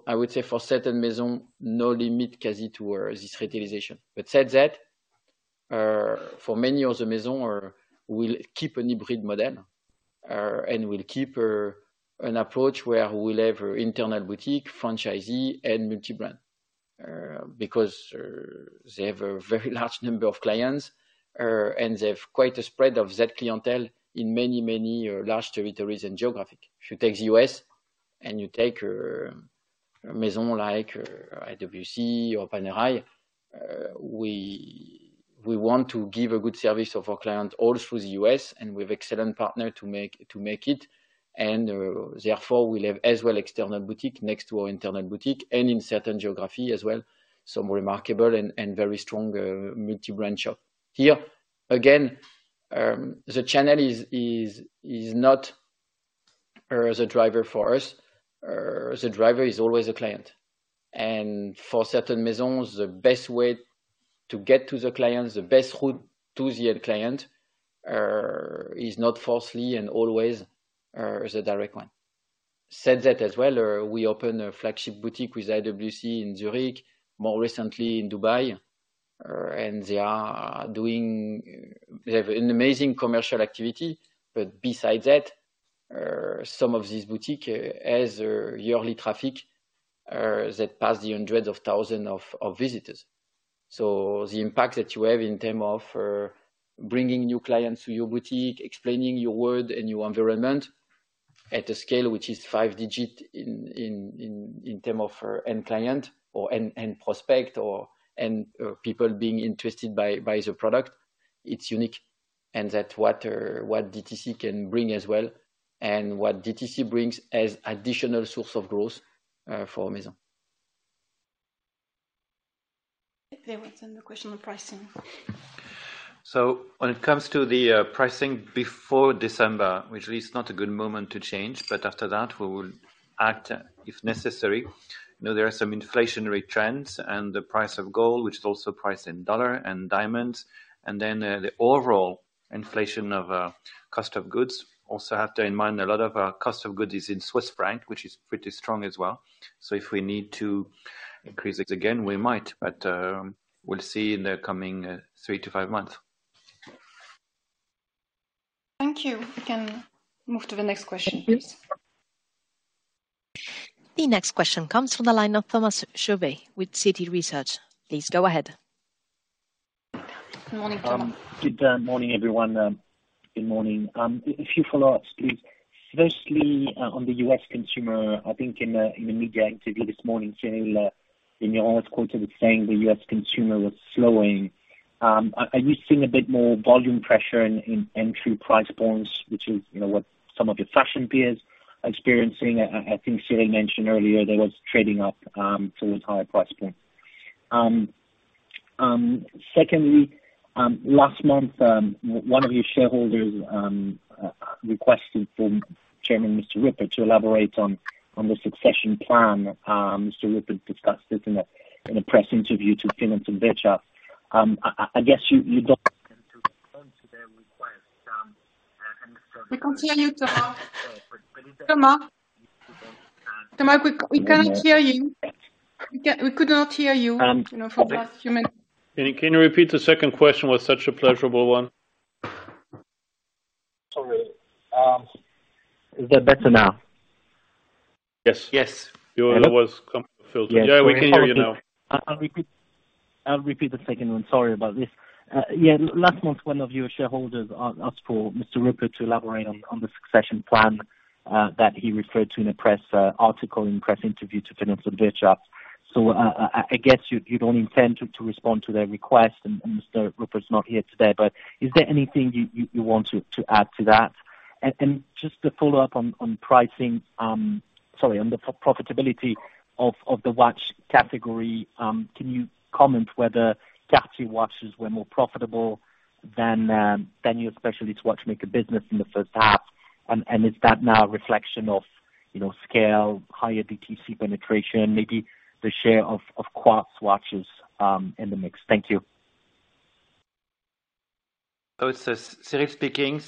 I would say for certain Maisons, no limit comes to this retailization. But that said, for many of the Maisons we'll keep a hybrid model, and we'll keep an approach where we'll have internal boutique, franchisee, and multi-brand. Because they have a very large number of clients, and they have quite a spread of that clientele in many, many large territories and geographies. If you take the U.S. and you take a Maison like IWC or Panerai, we want to give a good service of our client all through the U.S., and we have excellent partner to make it. Therefore, we'll have as well external boutique next to our internal boutique and in certain geography as well, some remarkable and very strong multi-brand shop. Here again, the channel is not the driver for us. The driver is always the client. For certain Maisons, the best way to get to the clients, the best route to the end client, is not always the direct one. That said as well, we opened a flagship boutique with IWC in Zurich, more recently in Dubai, and they have an amazing commercial activity. Besides that, some of these boutiques has yearly traffic that pass the hundreds of thousands of visitors. The impact that you have in terms of bringing new clients to your boutique, explaining your world and your environment at a scale which is five-digit in terms of end client or end prospect or people being interested in the product, it's unique. That's what DTC can bring as well, and what DTC brings as additional source of growth for Maison. Okay. What's on the question of pricing? When it comes to the pricing before December, which is not a good moment to change, but after that we will act if necessary. You know, there are some inflationary trends and the price of gold, which is also priced in dollar and diamonds, and then the overall inflation of cost of goods. Also have to bear in mind a lot of our cost of goods is in Swiss franc, which is pretty strong as well. If we need to increase it again, we might. We'll see in the coming three-five months. Thank you. We can move to the next question, please. The next question comes from the line of Thomas Chauvet with Citi Research. Please go ahead. Good morning, Thomas. Good morning, everyone. Good morning. A few follow-ups, please. Firstly, on the US consumer, I think in the media interview this morning, Cyrille, in your article, was quoted as saying the US consumer was slowing. Are you seeing a bit more volume pressure in entry price points, which is, you know, what some of your fashion peers are experiencing? I think Cyrille mentioned earlier there was trading up towards higher price points. Secondly, last month, one of your shareholders requested for Chairman Johann Rupert to elaborate on the succession plan. Johann Rupert discussed this in a press interview to Finanz und Wirtschaft. I guess you don't- We can't hear you, Thomas. Thomas? Thomas, we cannot hear you. We could not hear you know, for the last few minutes. Can you repeat? The second question was such a pleasurable one. Sorry. Is that better now? Yes. Yes. Your voice come through. Yeah, we can hear you now. I'll repeat the second one. Sorry about this. Last month, one of your shareholders asked for Johann Rupert to elaborate on the succession plan that he referred to in a press interview to Finanz und Wirtschaft. I guess you don't intend to respond to that request and Johann Rupert's not here today, but is there anything you want to add to that? Just to follow up on pricing, sorry, on the profitability of the watch category, can you comment whether category watches were more profitable than your specialist watchmaker business in the first half? Is that now a reflection of, you know, scale, higher DTC penetration, maybe the share of quartz watches in the mix? Thank you. It's Cyrille speaking.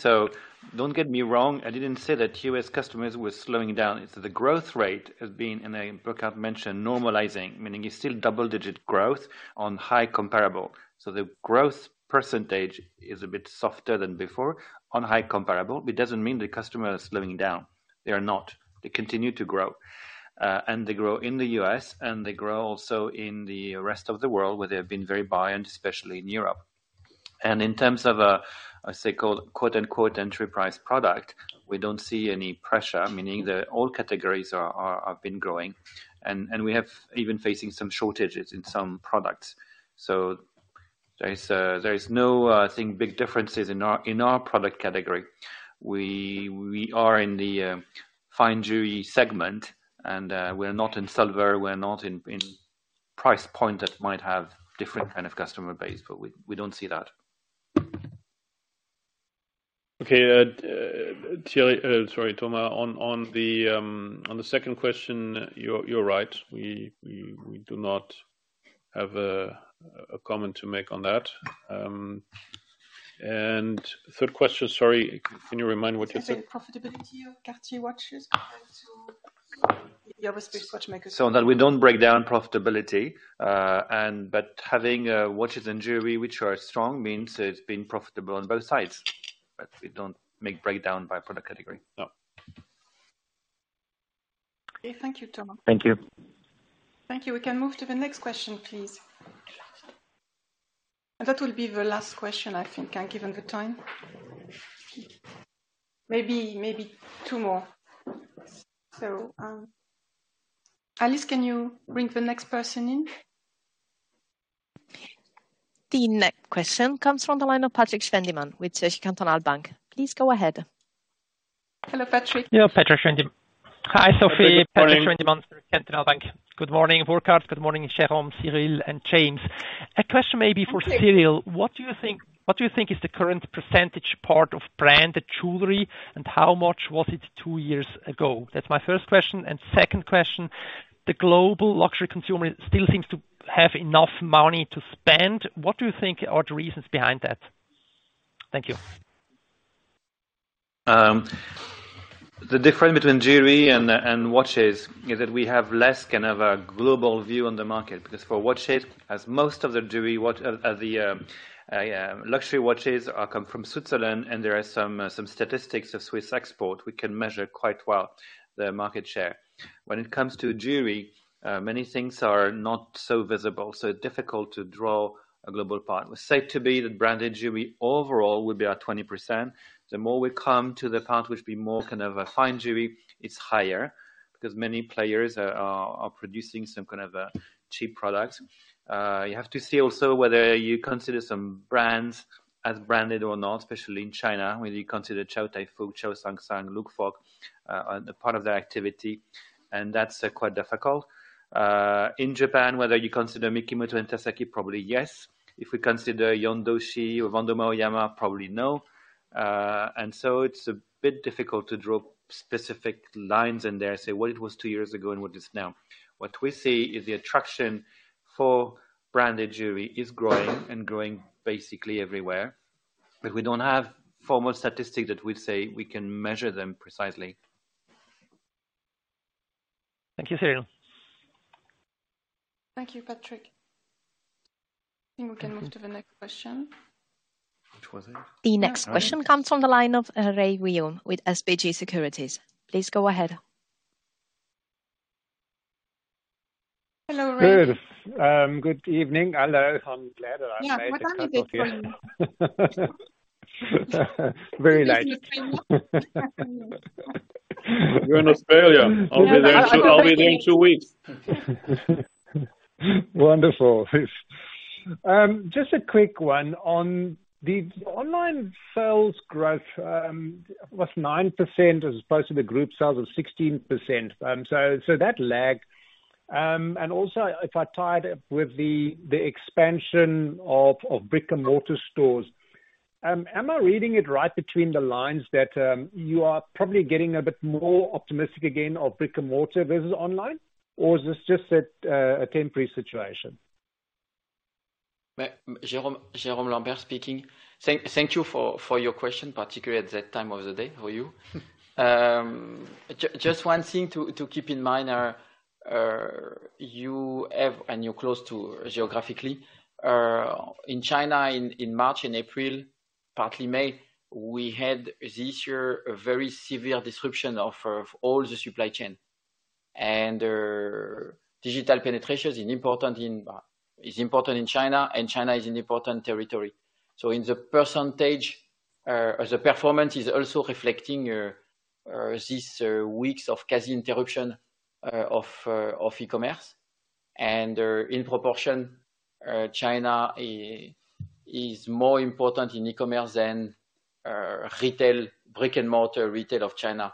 Don't get me wrong, I didn't say that U.S. customers were slowing down. It's the growth rate has been, and Burkhart mentioned normalizing, meaning you still double-digit growth on high comparable. The growth percentage is a bit softer than before on high comparable. It doesn't mean the customer is slowing down. They are not. They continue to grow. They grow in the U.S., and they grow also in the rest of the world, where they have been very buoyant, especially in Europe. In terms of a so-called quote-unquote "enterprise product," we don't see any pressure, meaning that all categories have been growing and we have even facing some shortages in some products. There is no, I think big differences in our product category. We are in the fine jewelry segment and we're not in silver, we're not in. Price point that might have different kind of customer base, but we don't see that. Okay. Sorry, Thomas, on the second question, you're right. We do not have a comment to make on that. Third question, sorry, can you remind what you said? The profitability of Cartier watches compared to the other Swiss watchmakers. that we don't break down profitability. Having watches and jewelry which are strong means it's been profitable on both sides. We don't make breakdown by product category. No. Okay. Thank you, Thomas. Thank you. Thank you. We can move to the next question, please. That will be the last question I think, given the time. Maybe two more. Alice, can you bring the next person in? The next question comes from the line of Patrik Schwendimann with Zürcher Kantonalbank. Please go ahead. Hello, Patrik. Hi, Sophie. Patrik Schwendimann, Zürcher Kantonalbank. Good morning, Burkhart. Good morning, Jérôme, Cyrille, and James. A question maybe for Cyrille, what do you think is the current percentage part of branded jewelry, and how much was it two years ago? That's my first question. Second question, the global luxury consumer still seems to have enough money to spend. What do you think are the reasons behind that? Thank you. The difference between jewelry and watches is that we have less kind of a global view on the market, because for watches, luxury watches come from Switzerland, and there are some statistics of Swiss export. We can measure quite well their market share. When it comes to jewelry, many things are not so visible, so difficult to draw a global picture. It's safe to say that branded jewelry overall would be at 20%. The more we come to the part which would be more kind of a fine jewelry, it's higher because many players are producing some kind of cheap products. You have to see also whether you consider some brands as branded or not, especially in China, whether you consider Chow Tai Fook, Chow Sang Sang, Luk Fook, the part of their activity, and that's quite difficult. In Japan, whether you consider Mikimoto and Tasaki, probably yes. If we consider Yondoshi or Vendome Aoyama, probably no. It's a bit difficult to draw specific lines in there, say what it was two years ago and what it is now. What we see is the attraction for branded jewelry is growing and growing basically everywhere. We don't have formal statistics that we'd say we can measure them precisely. Thank you, Cyrille. Thank you, Patrik. I think we can move to the next question. Which was it? The next question comes from the line of Reyneke van Wyk with SBG Securities. Please go ahead. Hello, Rey. Good. Good evening. I'm glad that I've made it kind of here now. Very nice. We're in Australia. I'll be there in two weeks. Wonderful. Just a quick one. On the online sales growth was 9% as opposed to the group sales of 16%. So that lagged. Also if I tied it with the expansion of brick-and-mortar stores, am I reading it right between the lines that you are probably getting a bit more optimistic again of brick-and-mortar versus online, or is this just a temporary situation? Jérôme Lambert speaking. Thank you for your question, particularly at that time of the day for you. Just one thing to keep in mind are you have and you're close to geographically. In China in March and April, partly May, we had this year a very severe disruption of all the supply chain. Digital penetration is important in China, and China is an important territory. In the percentage, the performance is also reflecting these weeks of quasi interruption of e-commerce. In proportion, China is more important in e-commerce than retail, brick-and-mortar retail of China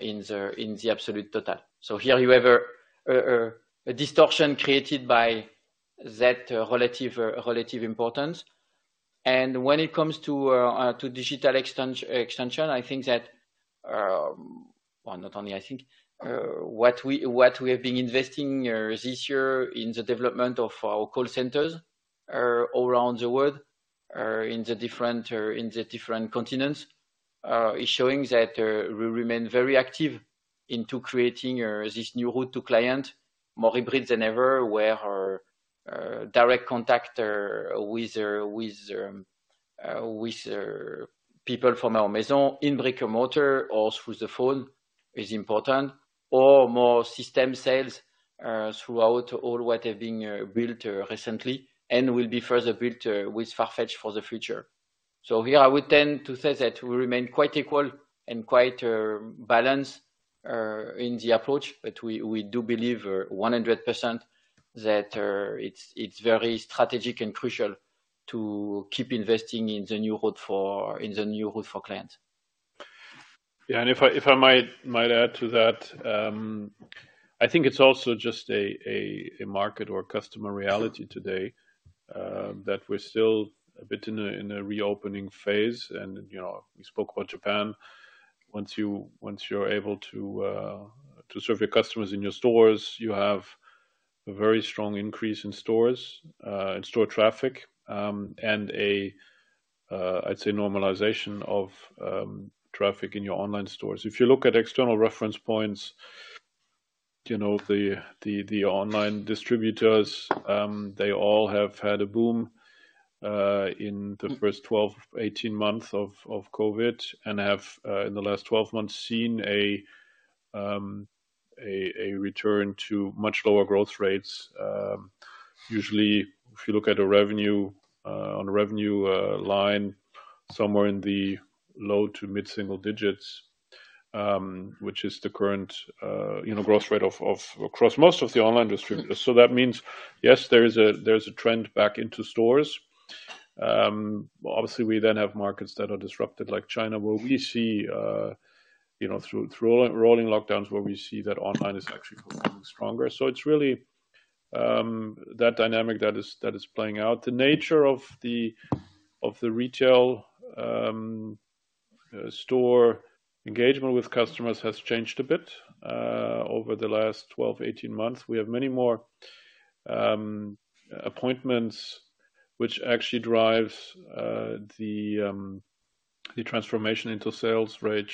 in the absolute total. Here you have a distortion created by that relative importance. When it comes to digital extension, I think that. Well, not only I think. What we have been investing this year in the development of our call centers around the world, in the different continents, is showing that we remain very active into creating this new route to client, more hybrid than ever, where direct contact with people from our Maison in brick-and-mortar or through the phone is important, or more system sales throughout all what have been built recently and will be further built with Farfetch for the future. Here I would tend to say that we remain quite equal and quite balanced in the approach, but we do believe 100% that it's very strategic and crucial to keep investing in the new route for clients. If I might add to that, I think it's also just a market or customer reality today, that we're still a bit in a reopening phase. You know, we spoke about Japan. Once you're able to serve your customers in your stores, you have a very strong increase in store traffic, and I'd say, normalization of traffic in your online stores. If you look at external reference points, you know, the online distributors, they all have had a boom in the first 12-18 months of COVID and have in the last 12 months, seen a return to much lower growth rates. Usually, if you look at a revenue line somewhere in the low- to mid-single digits, which is the current, you know, growth rate across most of the online distributors. That means, yes, there is a trend back into stores. Obviously, we then have markets that are disrupted, like China, where we see, you know, through rolling lockdowns, where we see that online is actually performing stronger. It's really that dynamic that is playing out. The nature of the retail store engagement with customers has changed a bit over the last 12-18 months. We have many more appointments which actually drives the transformation into sales rate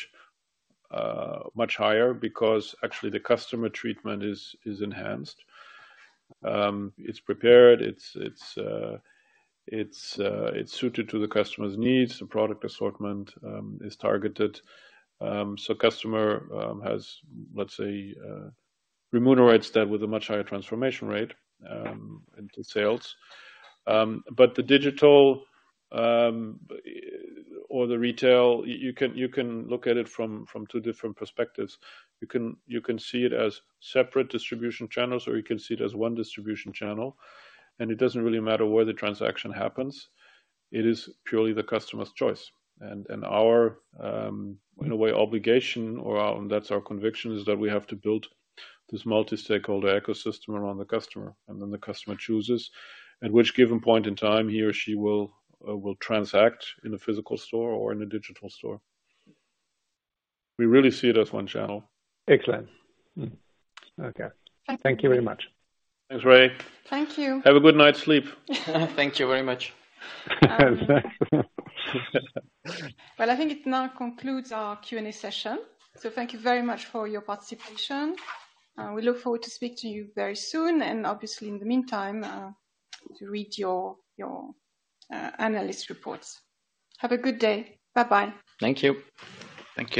much higher because actually the customer treatment is enhanced. It's prepared. It's suited to the customer's needs. The product assortment is targeted. So customer has, let's say, remunerates that with a much higher transformation rate into sales. But the digital or the retail, you can look at it from two different perspectives. You can see it as separate distribution channels, or you can see it as one distribution channel, and it doesn't really matter where the transaction happens. It is purely the customer's choice. Our, in a way, that's our conviction is that we have to build this multi-stakeholder ecosystem around the customer, and then the customer chooses at which given point in time he or she will transact in a physical store or in a digital store. We really see it as one channel. Excellent. Okay. Thank you. Thank you very much. Thanks, Rey. Thank you. Have a good night's sleep. Thank you very much. Thanks. Well, I think it now concludes our Q&A session. Thank you very much for your participation, and we look forward to speak to you very soon, and obviously in the meantime, to read your analyst reports. Have a good day. Bye-bye. Thank you. Thank you.